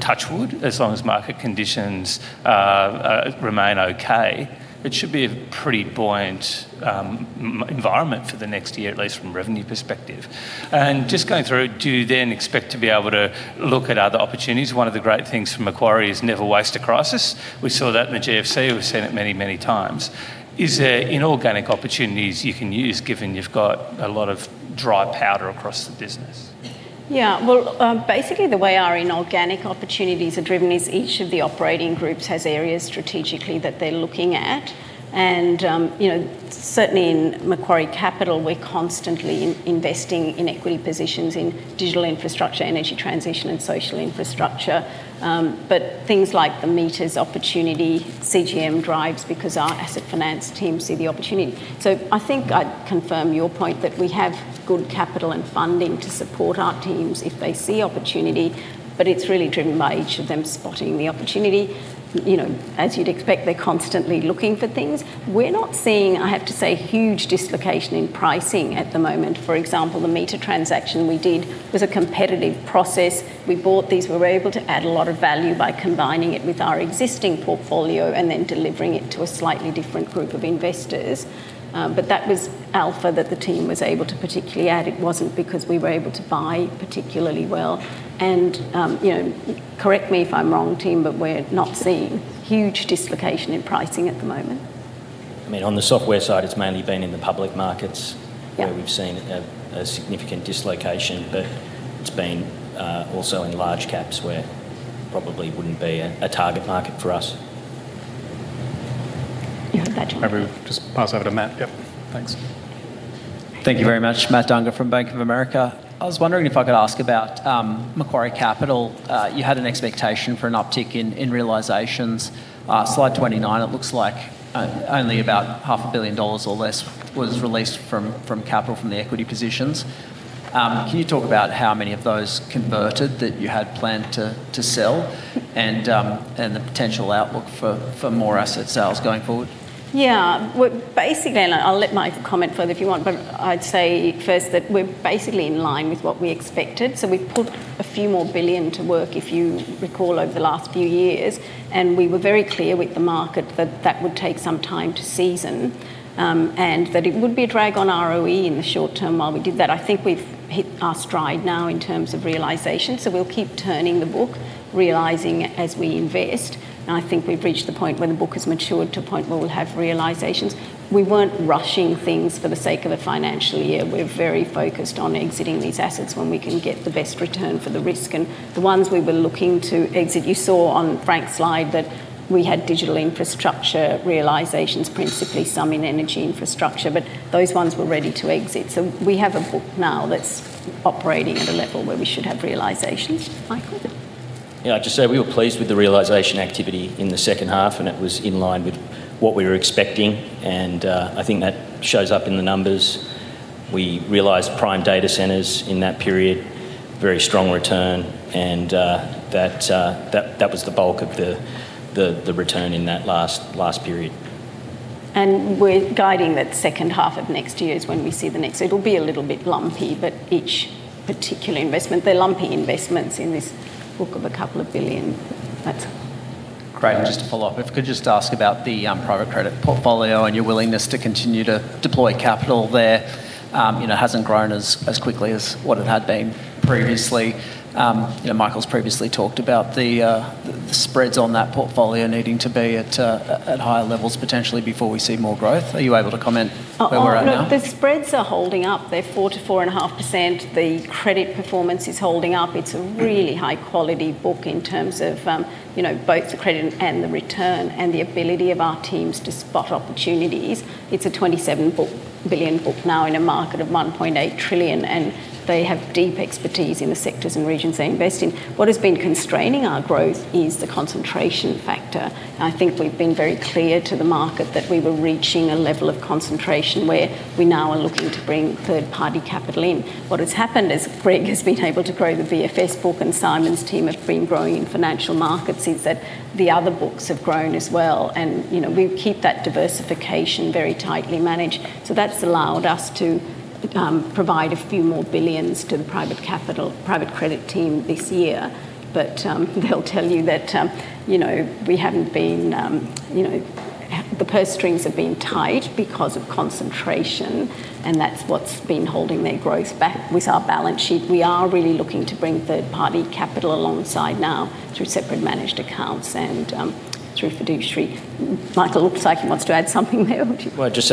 touch wood, as long as market conditions remain okay, it should be a pretty buoyant environment for the next year, at least from a revenue perspective. Just going through, do you then expect to be able to look at other opportunities? One of the great things for Macquarie is never waste a crisis. We saw that in the GFC. We've seen it many times. Is there inorganic opportunities you can use given you've got a lot of dry powder across the business? Well, basically the way our inorganic opportunities are driven is each of the operating groups has areas strategically that they're looking at. You know, certainly in Macquarie Capital, we're constantly investing in equity positions in digital infrastructure, energy transition, and social infrastructure. Things like the Meters opportunity CGM drives because our asset finance team see the opportunity. I think I'd confirm your point that we have good capital and funding to support our teams if they see opportunity, but it's really driven by each of them spotting the opportunity. You know, as you'd expect, they're constantly looking for things. We're not seeing, I have to say, huge dislocation in pricing at the moment. For example, the Meter transaction we did was a competitive process. We bought these. We were able to add a lot of value by combining it with our existing portfolio and then delivering it to a slightly different group of investors. That was alpha that the team was able to particularly add. It wasn't because we were able to buy particularly well. You know, correct me if I'm wrong, team, but we're not seeing huge dislocation in pricing at the moment. I mean, on the software side, it's mainly been in the public markets. Yeah where we've seen a significant dislocation. It's been also in large caps where probably wouldn't be a target market for us. You can have- Maybe we just pass over to Matt. Yep. Thanks. Thank you very much. Matt Dunger from Bank of America. I was wondering if I could ask about Macquarie Capital. You had an expectation for an uptick in realizations. Slide 29, it looks like only about half a billion dollars or less was released from capital from the equity positions. Can you talk about how many of those converted that you had planned to sell and the potential outlook for more asset sales going forward? I'll let Mike comment further if you want, but I'd say first that we're basically in line with what we expected. We put a few more billion to work, if you recall, over the last few years, and we were very clear with the market that that would take some time to season, and that it would be a drag on ROE in the short term while we did that. I think we've hit our stride now in terms of realization. We'll keep turning the book, realizing as we invest, and I think we've reached the point where the book has matured to a point where we'll have realizations. We weren't rushing things for the sake of a financial year. We're very focused on exiting these assets when we can get the best return for the risk. The ones we were looking to exit, you saw on Frank's slide that we had digital infrastructure realizations, principally some in energy infrastructure, but those ones were ready to exit. We have a book now that's operating at a level where we should have realizations. Michael? Yeah, just we were pleased with the realization activity in the second half, and it was in line with what we were expecting, and I think that shows up in the numbers. We realized Prime Data Centers in that period, very strong return, and that was the bulk of the return in that last period. We're guiding that second half of next year is when we see the next. It'll be a little bit lumpy, but each particular investment. They're lumpy investments in this book of 2 billion. Great. Just to follow-up, if I could just ask about the private credit portfolio and your willingness to continue to deploy capital there. You know, it hasn't grown as quickly as what it had been previously. You know, Michael's previously talked about the spreads on that portfolio needing to be at higher levels potentially before we see more growth. Are you able to comment where we're at now? Look, the spreads are holding up. They're 4%-4.5%. The credit performance is holding up. It's a really high-quality book in terms of, you know, both the credit and the return and the ability of our teams to spot opportunities. It's a 27 billion book now in a market of 1.8 trillion. They have deep expertise in the sectors and regions they invest in. What has been constraining our growth is the concentration factor. I think we've been very clear to the market that we were reaching a level of concentration where we now are looking to bring third-party capital in. What has happened is Greg has been able to grow the BFS book, and Simon's team have been growing in financial markets is that the other books have grown as well, you know, we keep that diversification very tightly managed. That's allowed us to provide a few more billions to the private capital, private credit team this year. They'll tell you that, you know, we haven't been. The purse strings have been tight because of concentration, and that's what's been holding their growth back. With our balance sheet, we are really looking to bring third-party capital alongside now through separate managed accounts and, through fiduciary. Michael looks like he wants to add something there. What do you? Well, just,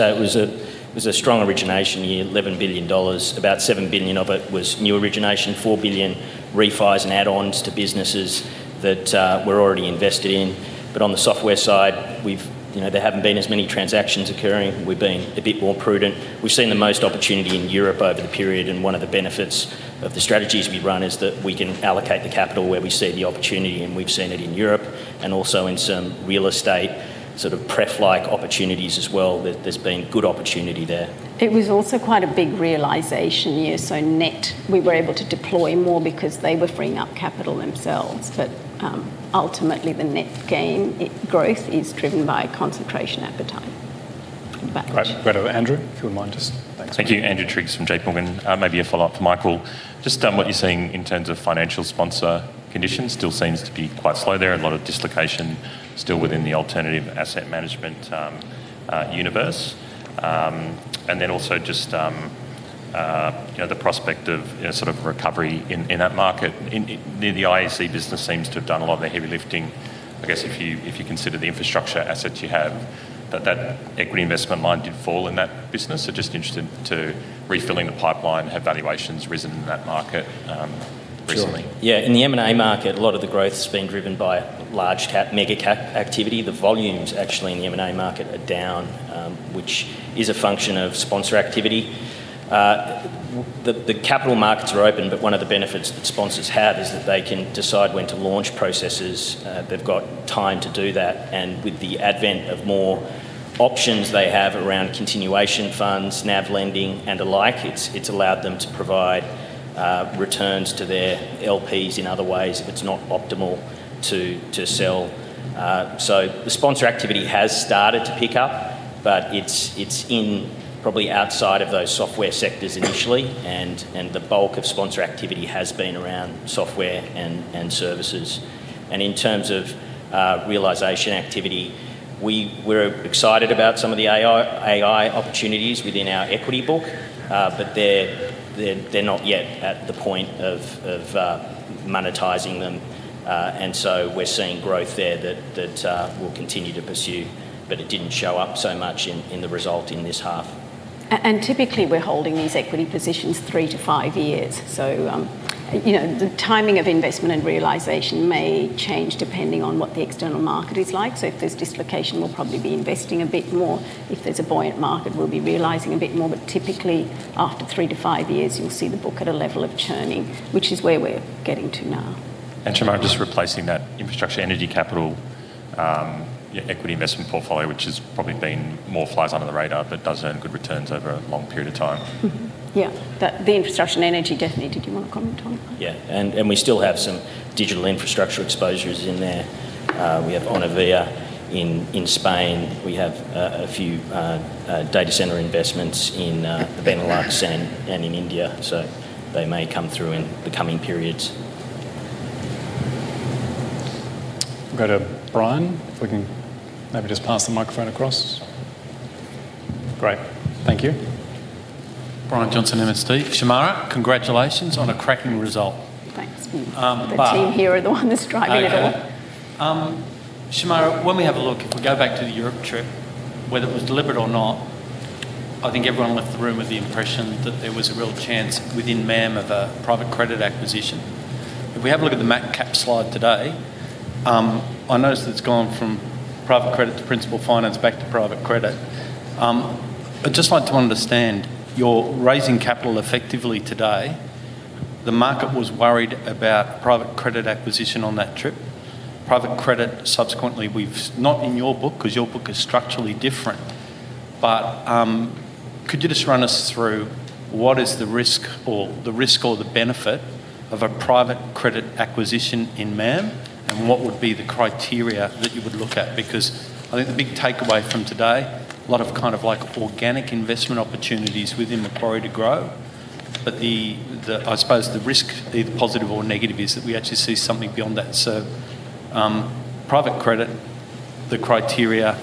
it was a strong origination year, AUD 11 billion. About 7 billion of it was new origination, 4 billion refis and add-ons to businesses that we're already invested in. On the software side, we've, you know, there haven't been as many transactions occurring. We've been a bit more prudent. We've seen the most opportunity in Europe over the period, and one of the benefits of the strategies we've run is that we can allocate the capital where we see the opportunity, and we've seen it in Europe and also in some real estate, sort of pref-like opportunities as well. There's been good opportunity there. It was also quite a big realization year. Net, we were able to deploy more because they were freeing up capital themselves. Ultimately, the net gain, growth is driven by concentration at the time. Right. Go to Andrew, if you wouldn't mind. Thank you. Andrew Triggs from JPMorgan. Maybe a follow-up for Michael. Just what you're seeing in terms of financial sponsor conditions still seems to be quite slow there. A lot of dislocation still within the alternative asset management universe. Then also just, you know, the prospect of, you know, sort of recovery in that market. In the IEC business seems to have done a lot of the heavy lifting, I guess if you consider the infrastructure assets you have. That equity investment line did fall in that business. Just interested to refilling the pipeline, have valuations risen in that market recently? Sure. In the M&A market, a lot of the growth's been driven by large cap, mega cap activity. The volumes actually in the M&A market are down, which is a function of sponsor activity. The capital markets are open, but one of the benefits that sponsors have is that they can decide when to launch processes. They've got time to do that. With the advent of more options they have around continuation funds, NAV lending, and the like, it's allowed them to provide returns to their LPs in other ways if it's not optimal to sell. The sponsor activity has started to pick up, but it's in probably outside of those software sectors initially and the bulk of sponsor activity has been around software and services. In terms of realization activity, we're excited about some of the AI opportunities within our equity book. They're not yet at the point of monetizing them. We're seeing growth there that we'll continue to pursue. It didn't show up so much in the result in this half. Typically, we're holding these equity positions 3-5 years. You know, the timing of investment and realization may change depending on what the external market is like. If there's dislocation, we'll probably be investing a bit more. If there's a buoyant market, we'll be realizing a bit more. Typically, after 3-5 years, you'll see the book at a level of churning, which is where we're getting to now. Shemara, just replacing that infrastructure energy capital, equity investment portfolio, which has probably been more flies under the radar but does earn good returns over a long period of time. Yeah. The infrastructure and energy definitely. Did you wanna comment on that? Yeah. We still have some digital infrastructure exposures in there. We have Onivia in Spain. We have a few data center investments in the Benelux and in India. They may come through in the coming periods. We'll go to Brian, if we can maybe just pass the microphone across. Great. Thank you. Brian Johnson, MST. Shemara, congratulations on a cracking result. Thanks. Um, but- The team here are the one that's driving it all. No doubt. Shemara, when we have a look, if we go back to the Europe trip, whether it was deliberate or not, I think everyone left the room with the impression that there was a real chance within MAM of a private credit acquisition. If we have a look at the MacCap slide today. I notice that it's gone from private credit to principal finance back to private credit. I'd just like to understand, you're raising capital effectively today. The market was worried about private credit acquisition on that trip. Private credit subsequently we've Not in your book, 'cause your book is structurally different, but, could you just run us through what is the risk or the benefit of a private credit acquisition in MAM, and what would be the criteria that you would look at? I think the big takeaway from today, a lot of kind of like organic investment opportunities within Macquarie to grow. The, I suppose the risk, either positive or negative, is that we actually see something beyond that. Private credit, the criteria,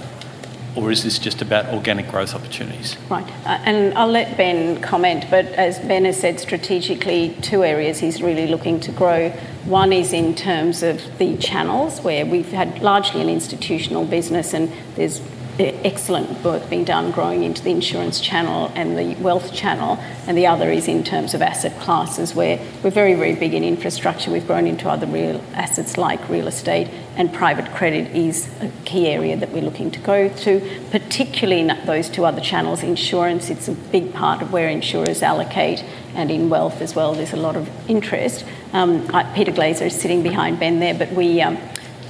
or is this just about organic growth opportunities? Right. I'll let Ben comment. As Ben has said strategically, two areas he's really looking to grow. One is in terms of the channels, where we've had largely an institutional business and there's excellent work being done growing into the insurance channel and the wealth channel. The other is in terms of asset classes, where we're very, very big in infrastructure. We've grown into other real assets like real estate, and private credit is a key area that we're looking to grow too, particularly in that, those two other channels. Insurance, it's a big part of where insurers allocate, and in wealth as well there's a lot of interest. Peter Glaser is sitting behind Ben there. We,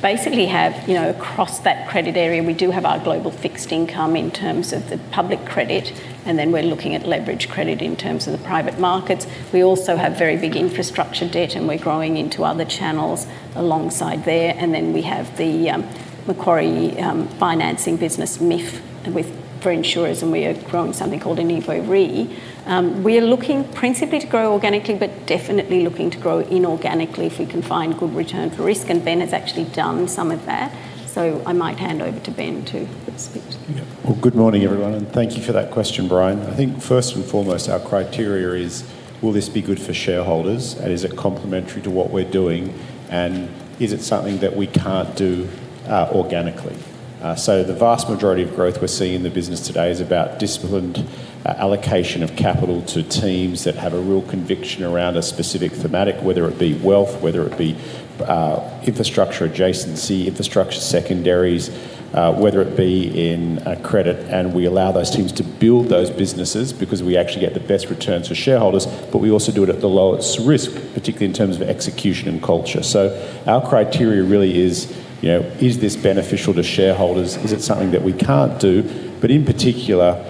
basically have, you know, across that credit area we do have our global fixed income in terms of the public credit, and then we're looking at leverage credit in terms of the private markets. We also have very big infrastructure debt, and we're growing into other channels alongside there. We have the Macquarie financing business, MIF, with, for insurers, and we have grown something called InEvo Re. We're looking principally to grow organically, but definitely looking to grow inorganically if we can find good return for risk, and Ben has actually done some of that. I might hand over to Ben to speak. Yeah. Well, good morning everyone, and thank you for that question, Brian. I think first and foremost our criteria is, will this be good for shareholders, and is it complementary to what we're doing, and is it something that we can't do organically? The vast majority of growth we're seeing in the business today is about disciplined allocation of capital to teams that have a real conviction around a specific thematic, whether it be wealth, whether it be infrastructure adjacency, infrastructure secondaries, whether it be in credit. We allow those teams to build those businesses because we actually get the best returns for shareholders, but we also do it at the lowest risk, particularly in terms of execution and culture. Our criteria really is, you know, is this beneficial to shareholders? Is it something that we can't do? In particular,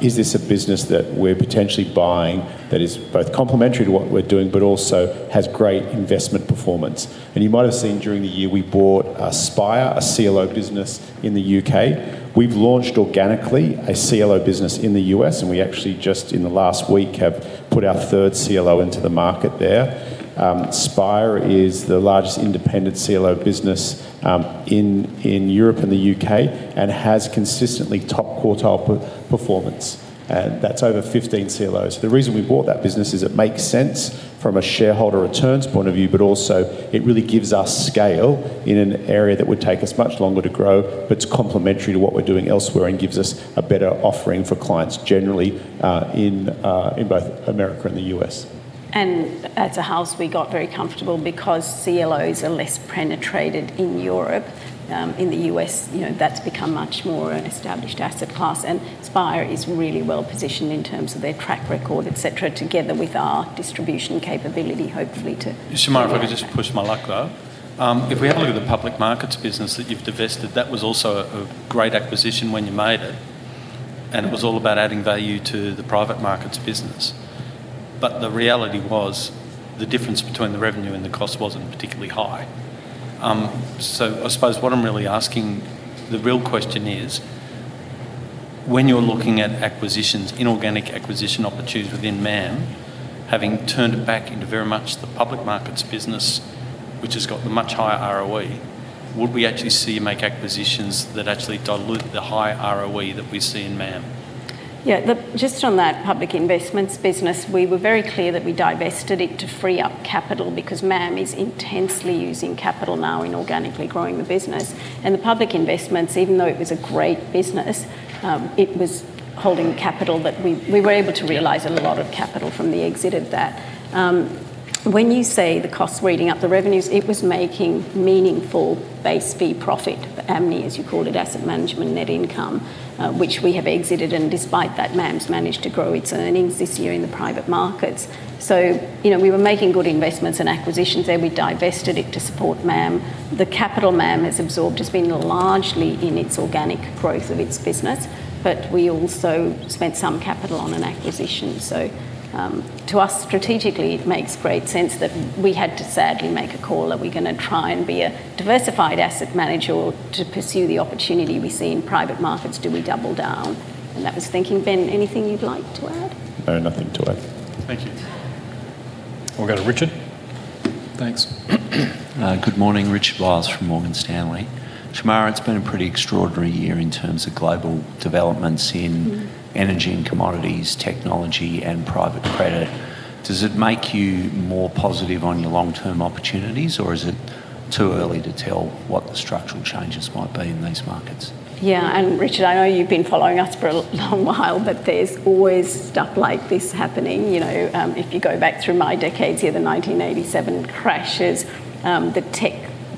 is this a business that we're potentially buying that is both complementary to what we're doing but also has great investment performance? You might have seen during the year we bought Spire, a CLO business in the U.K. We've launched organically a CLO business in the U.S., and we actually just in the last week have put our third CLO into the market there. Spire is the largest independent CLO business in Europe and the U.K. and has consistently top quartile performance, and that's over 15 CLOs. The reason we bought that business is it makes sense from a shareholder returns point of view, but also it really gives us scale in an area that would take us much longer to grow but it's complementary to what we're doing elsewhere and gives us a better offering for clients generally in both America and the U.S. As a house, we got very comfortable because CLOs are less penetrated in Europe. In the U.S., you know, that's become much more an established asset class. Spire is really well-positioned in terms of their track record, et cetera, together with our distribution capability. Shemara, if I could just push my luck though. If we have a look at the public markets business that you've divested, that was also a great acquisition when you made it. It was all about adding value to the private markets business. The reality was the difference between the revenue and the cost wasn't particularly high. I suppose what I'm really asking, the real question is, when you're looking at acquisitions, inorganic acquisition opportunities within MAM, having turned it back into very much the public markets business, which has got the much higher ROE, would we actually see you make acquisitions that actually dilute the high ROE that we see in MAM? Just on that public investments business, we were very clear that we divested it to free up capital because MAM is intensely using capital now in organically growing the business. The public investments, even though it was a great business, it was holding capital that we were able to realize a lot of capital from the exit of that. When you say the costs were eating up the revenues, it was making meaningful base fee profit, the AMNI, as you called it, asset management net income, which we have exited. Despite that, MAM's managed to grow its earnings this year in the private markets. You know, we were making good investments and acquisitions there. We divested it to support MAM. The capital MAM has absorbed has been largely in its organic growth of its business. We also spent some capital on an acquisition. To us strategically it makes great sense that we had to sadly make a call. Are we going to try and be a diversified asset manager, or to pursue the opportunity we see in private markets do we double down? That was thinking. Ben, anything you'd like to add? No, nothing to add. Thank you. We'll go to Richard. Thanks. Good morning. Richard Wiles from Morgan Stanley. Shemara, it's been a pretty extraordinary year in terms of global developments in- Energy and commodities, technology, and private credit. Does it make you more positive on your long-term opportunities, or is it too early to tell what the structural changes might be in these markets? Yeah. Richard, I know you've been following us for a long while, there's always stuff like this happening. You know, if you go back through my decades, you have the 1987 crashes, the tech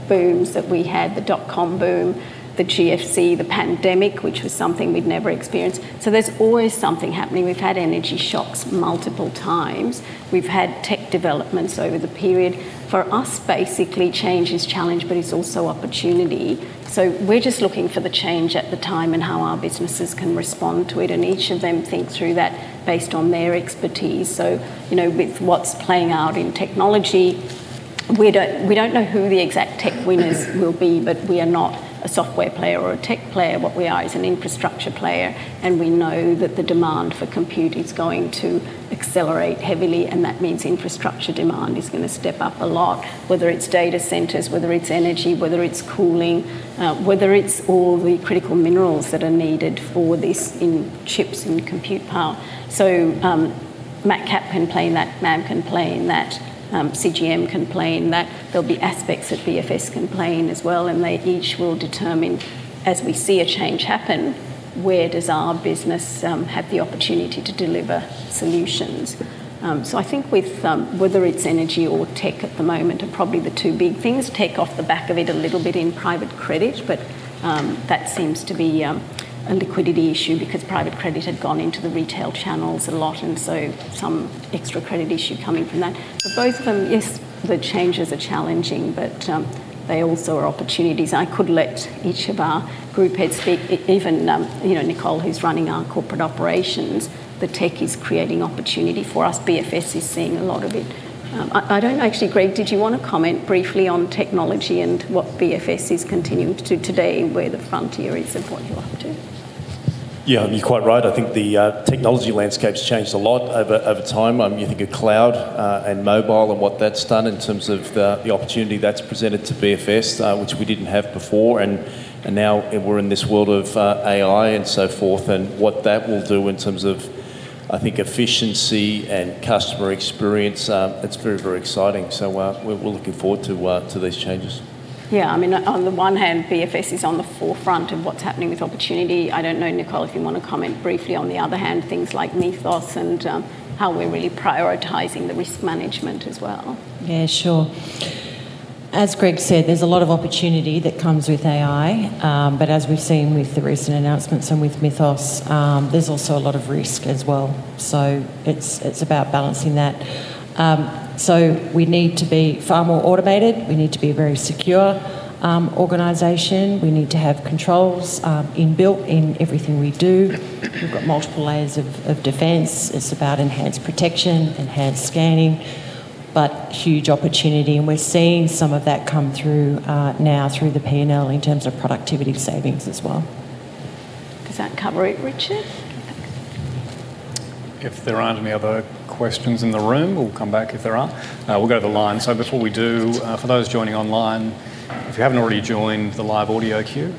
booms that we had, the dot-com boom, the GFC, the pandemic, which was something we'd never experienced. There's always something happening. We've had energy shocks multiple times. We've had tech developments over the period. For us, basically, change is challenge, but it's also opportunity. We're just looking for the change at the time and how our businesses can respond to it, and each of them think through that based on their expertise. You know, with what's playing out in technology, we don't know who the exact tech winners will be, but we are not a software player or a tech player. What we are is an infrastructure player. We know that the demand for compute is going to accelerate heavily. That means infrastructure demand is going to step up a lot, whether it's data centers, whether it's energy, whether it's cooling, whether it's all the critical minerals that are needed for this in chips and compute power. MacCap can play in that. MAM can play in that. CGM can play in that. There will be aspects that BFS can play in as well, and they each will determine as we see a change happen, where does our business have the opportunity to deliver solutions. I think with whether it's energy or tech at the moment are probably the two big things. Tech off the back of it a little bit in private credit, that seems to be a liquidity issue because private credit had gone into the retail channels a lot, some extra credit issue coming from that. Both of them, yes, the changes are challenging, they also are opportunities. I could let each of our group heads speak. Even, you know, Nicole, who's running our corporate operations, the tech is creating opportunity for us. BFS is seeing a lot of it. Actually, Greg, did you want to comment briefly on technology and what BFS is continuing to do today and where the frontier is and what you're up to? Yeah, you're quite right. I think the technology landscape's changed a lot over time. You think of cloud and mobile and what that's done in terms of the opportunity that's presented to BFS, which we didn't have before. Now we're in this world of AI and so forth, and what that will do in terms of, I think, efficiency and customer experience, it's very, very exciting. We're looking forward to these changes. Yeah, I mean, on the one hand, BFS is on the forefront of what's happening with opportunity. I don't know, Nicole, if you wanna comment briefly on the other hand, things like Mythos and how we're really prioritizing the risk management as well. Yeah, sure. As Greg said, there's a lot of opportunity that comes with AI. As we've seen with the recent announcements and with Mythos, there's also a lot of risk as well. It's about balancing that. We need to be far more automated. We need to be a very secure organization. We need to have controls inbuilt in everything we do. We've got multiple layers of defense. It's about enhanced protection, enhanced scanning, but huge opportunity, and we're seeing some of that come through now through the P&L in terms of productivity savings as well. Does that cover it, Richard? If there aren't any other questions in the room, we'll come back if there are. We'll go to the line. Before we do, for those joining online, if you haven't already joined the live audio queue,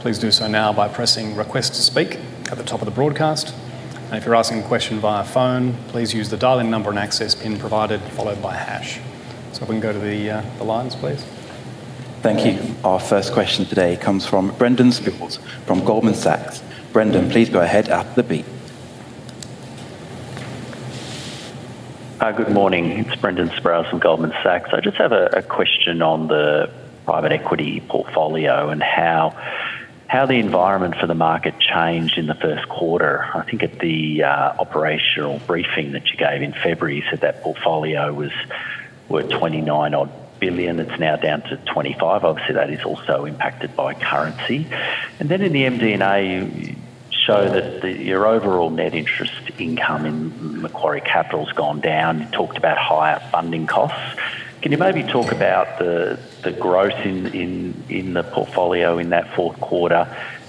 please do so now by pressing Request to speak at the top of the broadcast. If you're asking a question via phone, please use the dialing number and access PIN provided, followed by hash. If we can go to the lines, please. Thank you. Our first question today comes from Brendan Sproules from Goldman Sachs. Brendan, please go ahead after the beep. Hi, good morning. It's Brendan Sproules from Goldman Sachs. I just have a question on the private equity portfolio and how the environment for the market changed in the first quarter. I think at the operational briefing that you gave in February, you said that portfolio was worth 29 billion. It's now down to 25 billion. Obviously, that is also impacted by currency. Then in the MD&A, you show that your overall net interest income in Macquarie Capital's gone down. You talked about higher funding costs. Can you maybe talk about the growth in the portfolio in that fourth quarter,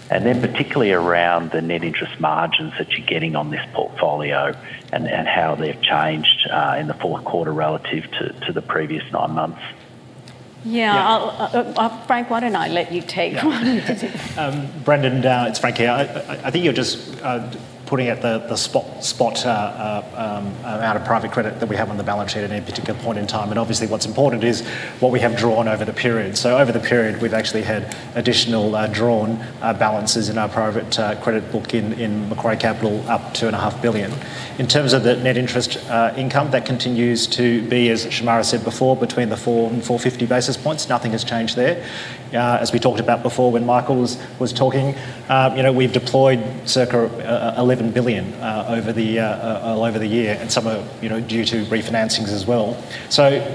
then particularly around the net interest margins that you're getting on this portfolio and how they've changed in the fourth quarter relative to the previous nine months? Yeah. Frank, why don't I let you take one? Yeah. Brendan, it's Frank here. I think you're just putting out the spot amount of private credit that we have on the balance sheet at any particular point in time, and obviously what's important is what we have drawn over the period. Over the period, we've actually had additional drawn balances in our private credit book in Macquarie Capital up 2.5 billion. In terms of the net interest income, that continues to be, as Shemara said before, between the 4 and 450 basis points. Nothing has changed there. As we talked about before when Michael was talking, you know, we've deployed circa 11 billion over the year and some of, you know, due to refinancings as well.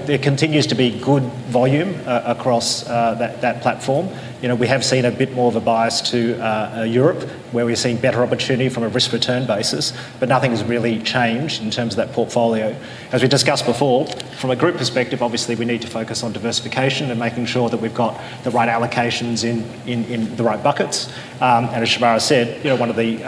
There continues to be good volume across that platform. You know, we have seen a bit more of a bias to Europe, where we're seeing better opportunity from a risk-return basis, but nothing's really changed in terms of that portfolio. As we discussed before, from a group perspective, obviously, we need to focus on diversification and making sure that we've got the right allocations in the right buckets. As Shemara said, you know, one of the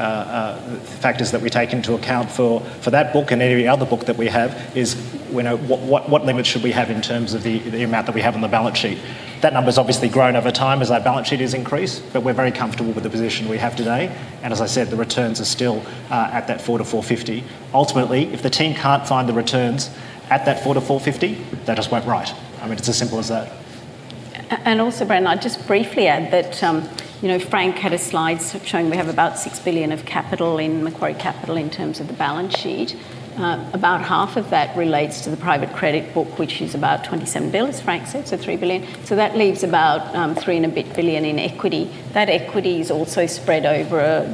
factors that we take into account for that book and any other book that we have is what limit should we have in terms of the amount that we have on the balance sheet? That number's obviously grown over time as our balance sheet has increased, but we're very comfortable with the position we have today. As I said, the returns are still at that 4-4.50. Ultimately, if the team can't find the returns at that 4-4.50, they just weren't right. I mean, it's as simple as that. Also, Brendan, I'd just briefly add that, you know, Frank had a slide showing we have about 6 billion of capital in Macquarie Capital in terms of the balance sheet. About half of that relates to the private credit book, which is about 27 billion, as Frank said, so 3 billion. That leaves about 3 and a bit billion in equity. That equity is also spread over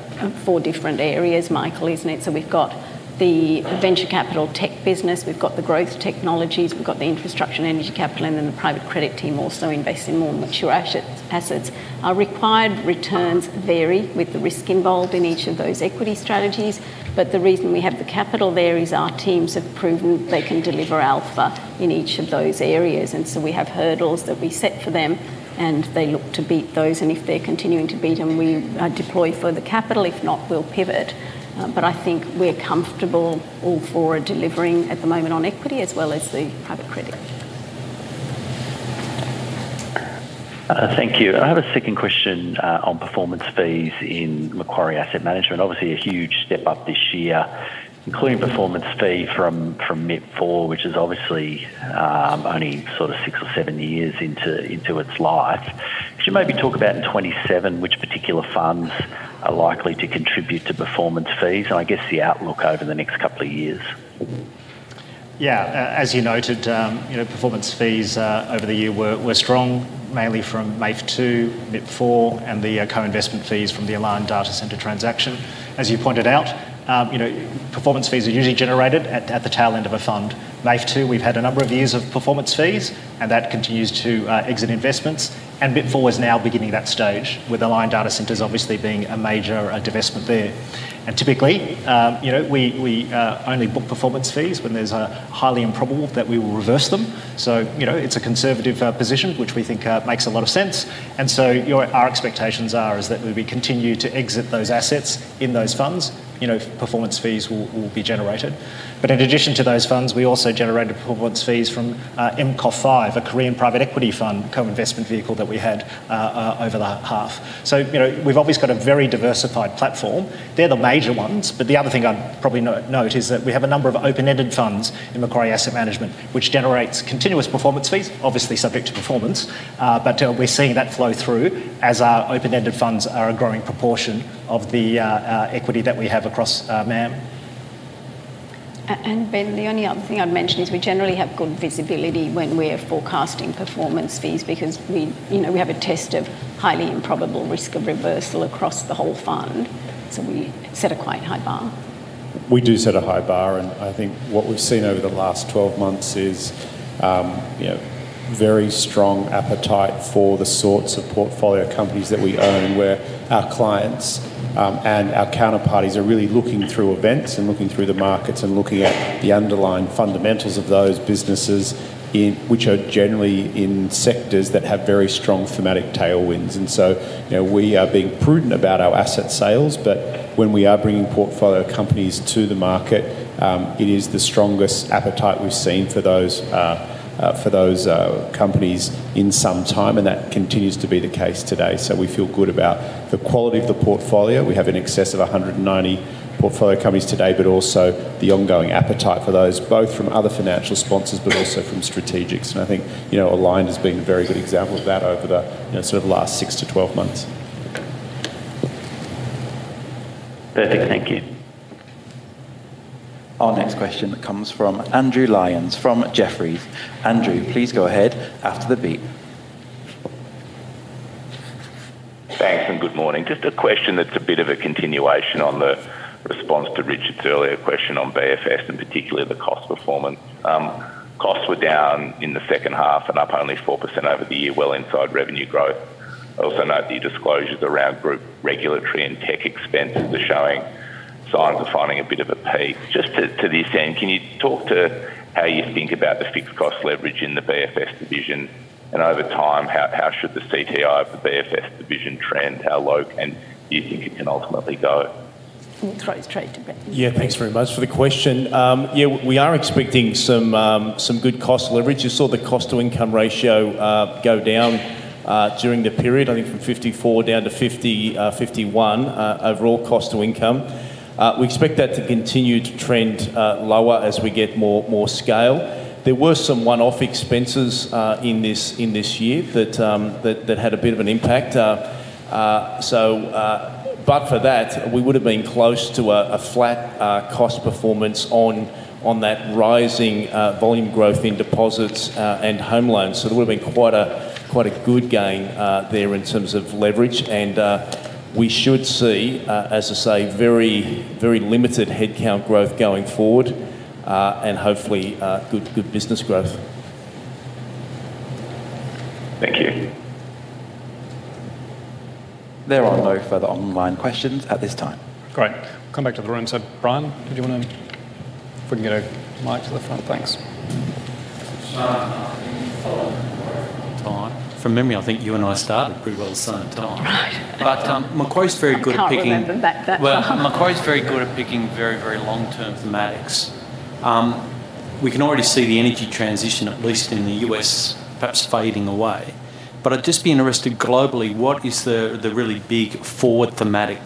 four different areas, Michael, isn't it? We've got the venture capital tech business, we've got the growth technologies, we've got the infrastructure and energy capital, and then the private credit team also invest in more mature assets. Our required returns vary with the risk involved in each of those equity strategies, the reason we have the capital there is our teams have proven they can deliver alpha in each of those areas. We have hurdles that we set for them, and they look to beat those. If they're continuing to beat them, we deploy further capital. If not, we'll pivot. I think we're comfortable all four are delivering at the moment on equity as well as the private credit. Thank you. I have a second question on performance fees in Macquarie Asset Management. Obviously, a huge step up this year, including performance fee from MIP IV, which is obviously, only sort of 6 or 7 years into its life. Could you maybe talk about in 2027 which particular funds are likely to contribute to performance fees and I guess the outlook over the next couple of years? As you noted, you know, performance fees over the year were strong, mainly from MAIF II, MIP IV, and the co-investment fees from the Aligned Data Centers transaction. As you pointed out, you know, performance fees are usually generated at the tail end of a fund. MAIF II, we've had a number of years of performance fees, and that continues to exit investments. MIP IV is now beginning that stage with Aligned Data Centers obviously being a major divestment there. Typically, you know, we only book performance fees when there's highly improbable that we will reverse them. You know, it's a conservative position, which we think makes a lot of sense. Our expectations are is that as we continue to exit those assets in those funds, you know, performance fees will be generated. In addition to those funds, we also generated performance fees from MKOF V, a Korean private equity fund co-investment vehicle that we had over the half. You know, we've always got a very diversified platform. They're the major ones. The other thing I'd probably note is that we have a number of open-ended funds in Macquarie Asset Management, which generates continuous performance fees, obviously subject to performance. We're seeing that flow through as our open-ended funds are a growing proportion of the equity that we have across MAM. Ben, the only other thing I'd mention is we generally have good visibility when we're forecasting performance fees because we, you know, we have a test of highly improbable risk of reversal across the whole fund. We set a quite high bar. We do set a high bar. I think what we've seen over the last 12 months is, you know, very strong appetite for the sorts of portfolio companies that we own, where our clients and our counterparties are really looking through events and looking through the markets and looking at the underlying fundamentals of those businesses, which are generally in sectors that have very strong thematic tailwinds. You know, we are being prudent about our asset sales, but when we are bringing portfolio companies to the market, it is the strongest appetite we've seen for those companies in some time, and that continues to be the case today. We feel good about the quality of the portfolio. We have in excess of 190 portfolio companies today, but also the ongoing appetite for those, both from other financial sponsors, but also from strategics. I think, you know, Aligned has been a very good example of that over the, you know, sort of last 6-12 months. Perfect. Thank you. Our next question comes from Andrew Lyons from Jefferies. Andrew, please go ahead after the beep. Thanks, good morning. Just a question that's a bit of a continuation on the response to Richard's earlier question on BFS and particularly the cost performance. Costs were down in the second half and up only 4% over the year, well inside revenue growth. I also note the disclosures around group regulatory and tech expenses are showing signs of finding a bit of a peak. Just to this end, can you talk to how you think about the fixed cost leverage in the BFS division? Over time, how should the CTI of the BFS division trend? How low can you think it can ultimately go? I'll throw straight to Brendan. Yeah. Thanks very much for the question. Yeah, we are expecting some good cost leverage. You saw the cost to income ratio go down during the period, I think from 54 down to 50, 51, overall cost to income. We expect that to continue to trend lower as we get more scale. There were some one-off expenses in this year that had a bit of an impact. But for that, we would've been close to a flat cost performance on that rising volume growth in deposits and home loans. There would've been quite a good gain there in terms of leverage. We should see, as I say, very limited headcount growth going forward, and hopefully, good business growth. Thank you. There are no further online questions at this time. Great. Come back to the room. Brian, if we can get a mic to the front. Thanks. I've been following Macquarie for a long time. From memory, I think you and I started pretty well the same time. Right. Macquarie's very good at. I can't remember back that far. Well, Macquarie's very good at picking very, very long-term thematics. We can already see the energy transition, at least in the U.S., perhaps fading away. I'd just be interested globally, what is the really big forward thematic?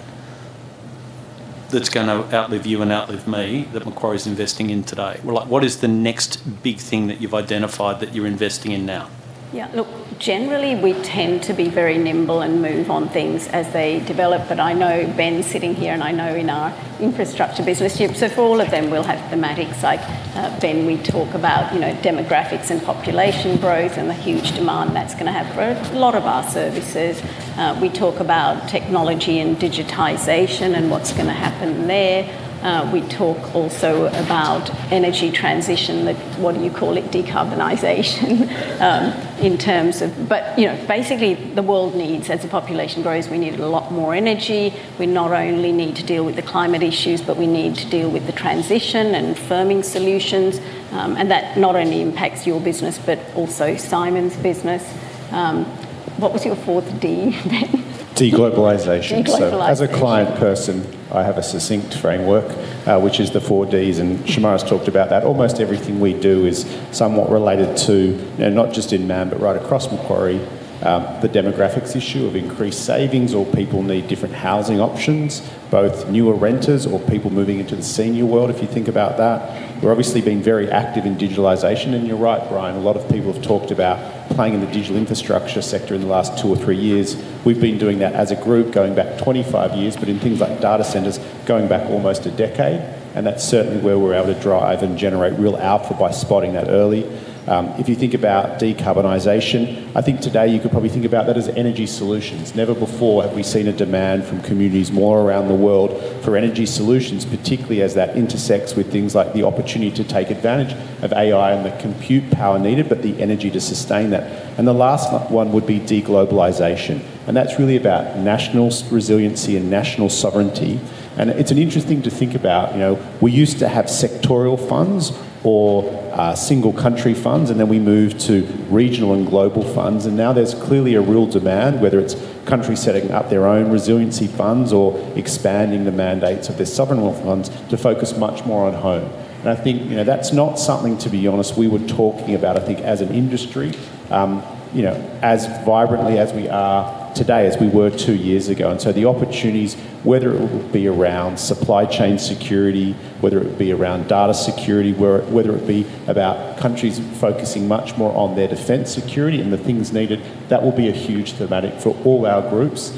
That's gonna outlive you and outlive me that Macquarie's investing in today? Well, like what is the next big thing that you've identified that you're investing in now? Yeah, look, generally we tend to be very nimble and move on things as they develop. I know Ben sitting here, and I know in our infrastructure business, so for all of them we'll have thematics like, Ben, we talk about, you know, demographics and population growth and the huge demand that's gonna have for a lot of our services. We talk about technology and digitization and what's gonna happen there. We talk also about energy transition, what do you call it? Decarbonization. You know, basically the world needs, as the population grows, we need a lot more energy. We not only need to deal with the climate issues, but we need to deal with the transition and firming solutions. That not only impacts your business, but also Simon's business. What was your fourth D, Ben? Deglobalization. Deglobalization. As a client person, I have a succinct framework, which is the four Ds, and Shemara's talked about that. Almost everything we do is somewhat related to, you know, not just in MAM, but right across Macquarie, the demographics issue of increased savings or people need different housing options, both newer renters or people moving into the senior world, if you think about that. We're obviously being very active in digitalization. You're right, Brian, a lot of people have talked about playing in the digital infrastructure sector in the last 2 or 3 years. We've been doing that as a group going back 25 years, but in things like data centers, going back almost a decade, and that's certainly where we're able to drive and generate real output by spotting that early. If you think about decarbonization, I think today you could probably think about that as energy solutions. Never before have we seen a demand from communities more around the world for energy solutions, particularly as that intersects with things like the opportunity to take advantage of AI and the compute power needed, but the energy to sustain that. The last one would be deglobalization, and that's really about national resiliency and national sovereignty. It's an interesting to think about. You know, we used to have sectorial funds or single country funds, and then we moved to regional and global funds, and now there's clearly a real demand, whether it's countries setting up their own resiliency funds or expanding the mandates of their sovereign wealth funds to focus much more on home. I think, you know, that's not something, to be honest, we were talking about, I think, as an industry, you know, as vibrantly as we are today as we were two years ago. The opportunities, whether it be around supply chain security, whether it be around data security, whether it be about countries focusing much more on their defense security and the things needed, that will be a huge thematic for all our groups,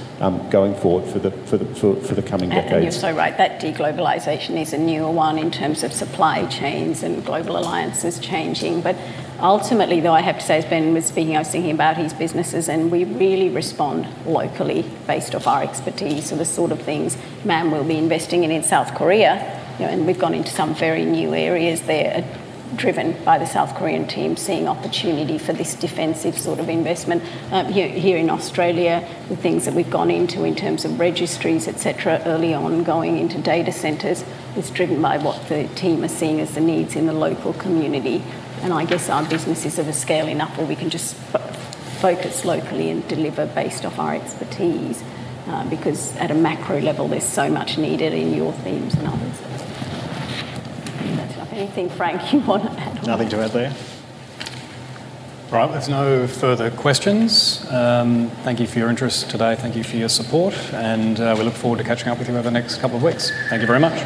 going forward for the coming decades. You're so right. That deglobalization is a newer one in terms of supply chains and global alliances changing. Ultimately, though, I have to say, as Ben was speaking, I was thinking about his businesses, and we really respond locally based off our expertise. The sort of things MAM will be investing in in South Korea, you know, and we've gone into some very new areas there driven by the South Korean team seeing opportunity for this defensive sort of investment. Here in Australia, the things that we've gone into in terms of registries, et cetera, early on, going into data centers, is driven by what the team are seeing as the needs in the local community. I guess our businesses have a scaling up where we can just focus locally and deliver based off our expertise because at a macro level, there's so much needed in your themes and others. That's enough. Anything, Frank, you wanna add or? Nothing to add there. There's no further questions. Thank you for your interest today. Thank you for your support, and we look forward to catching up with you over the next couple of weeks. Thank you very much.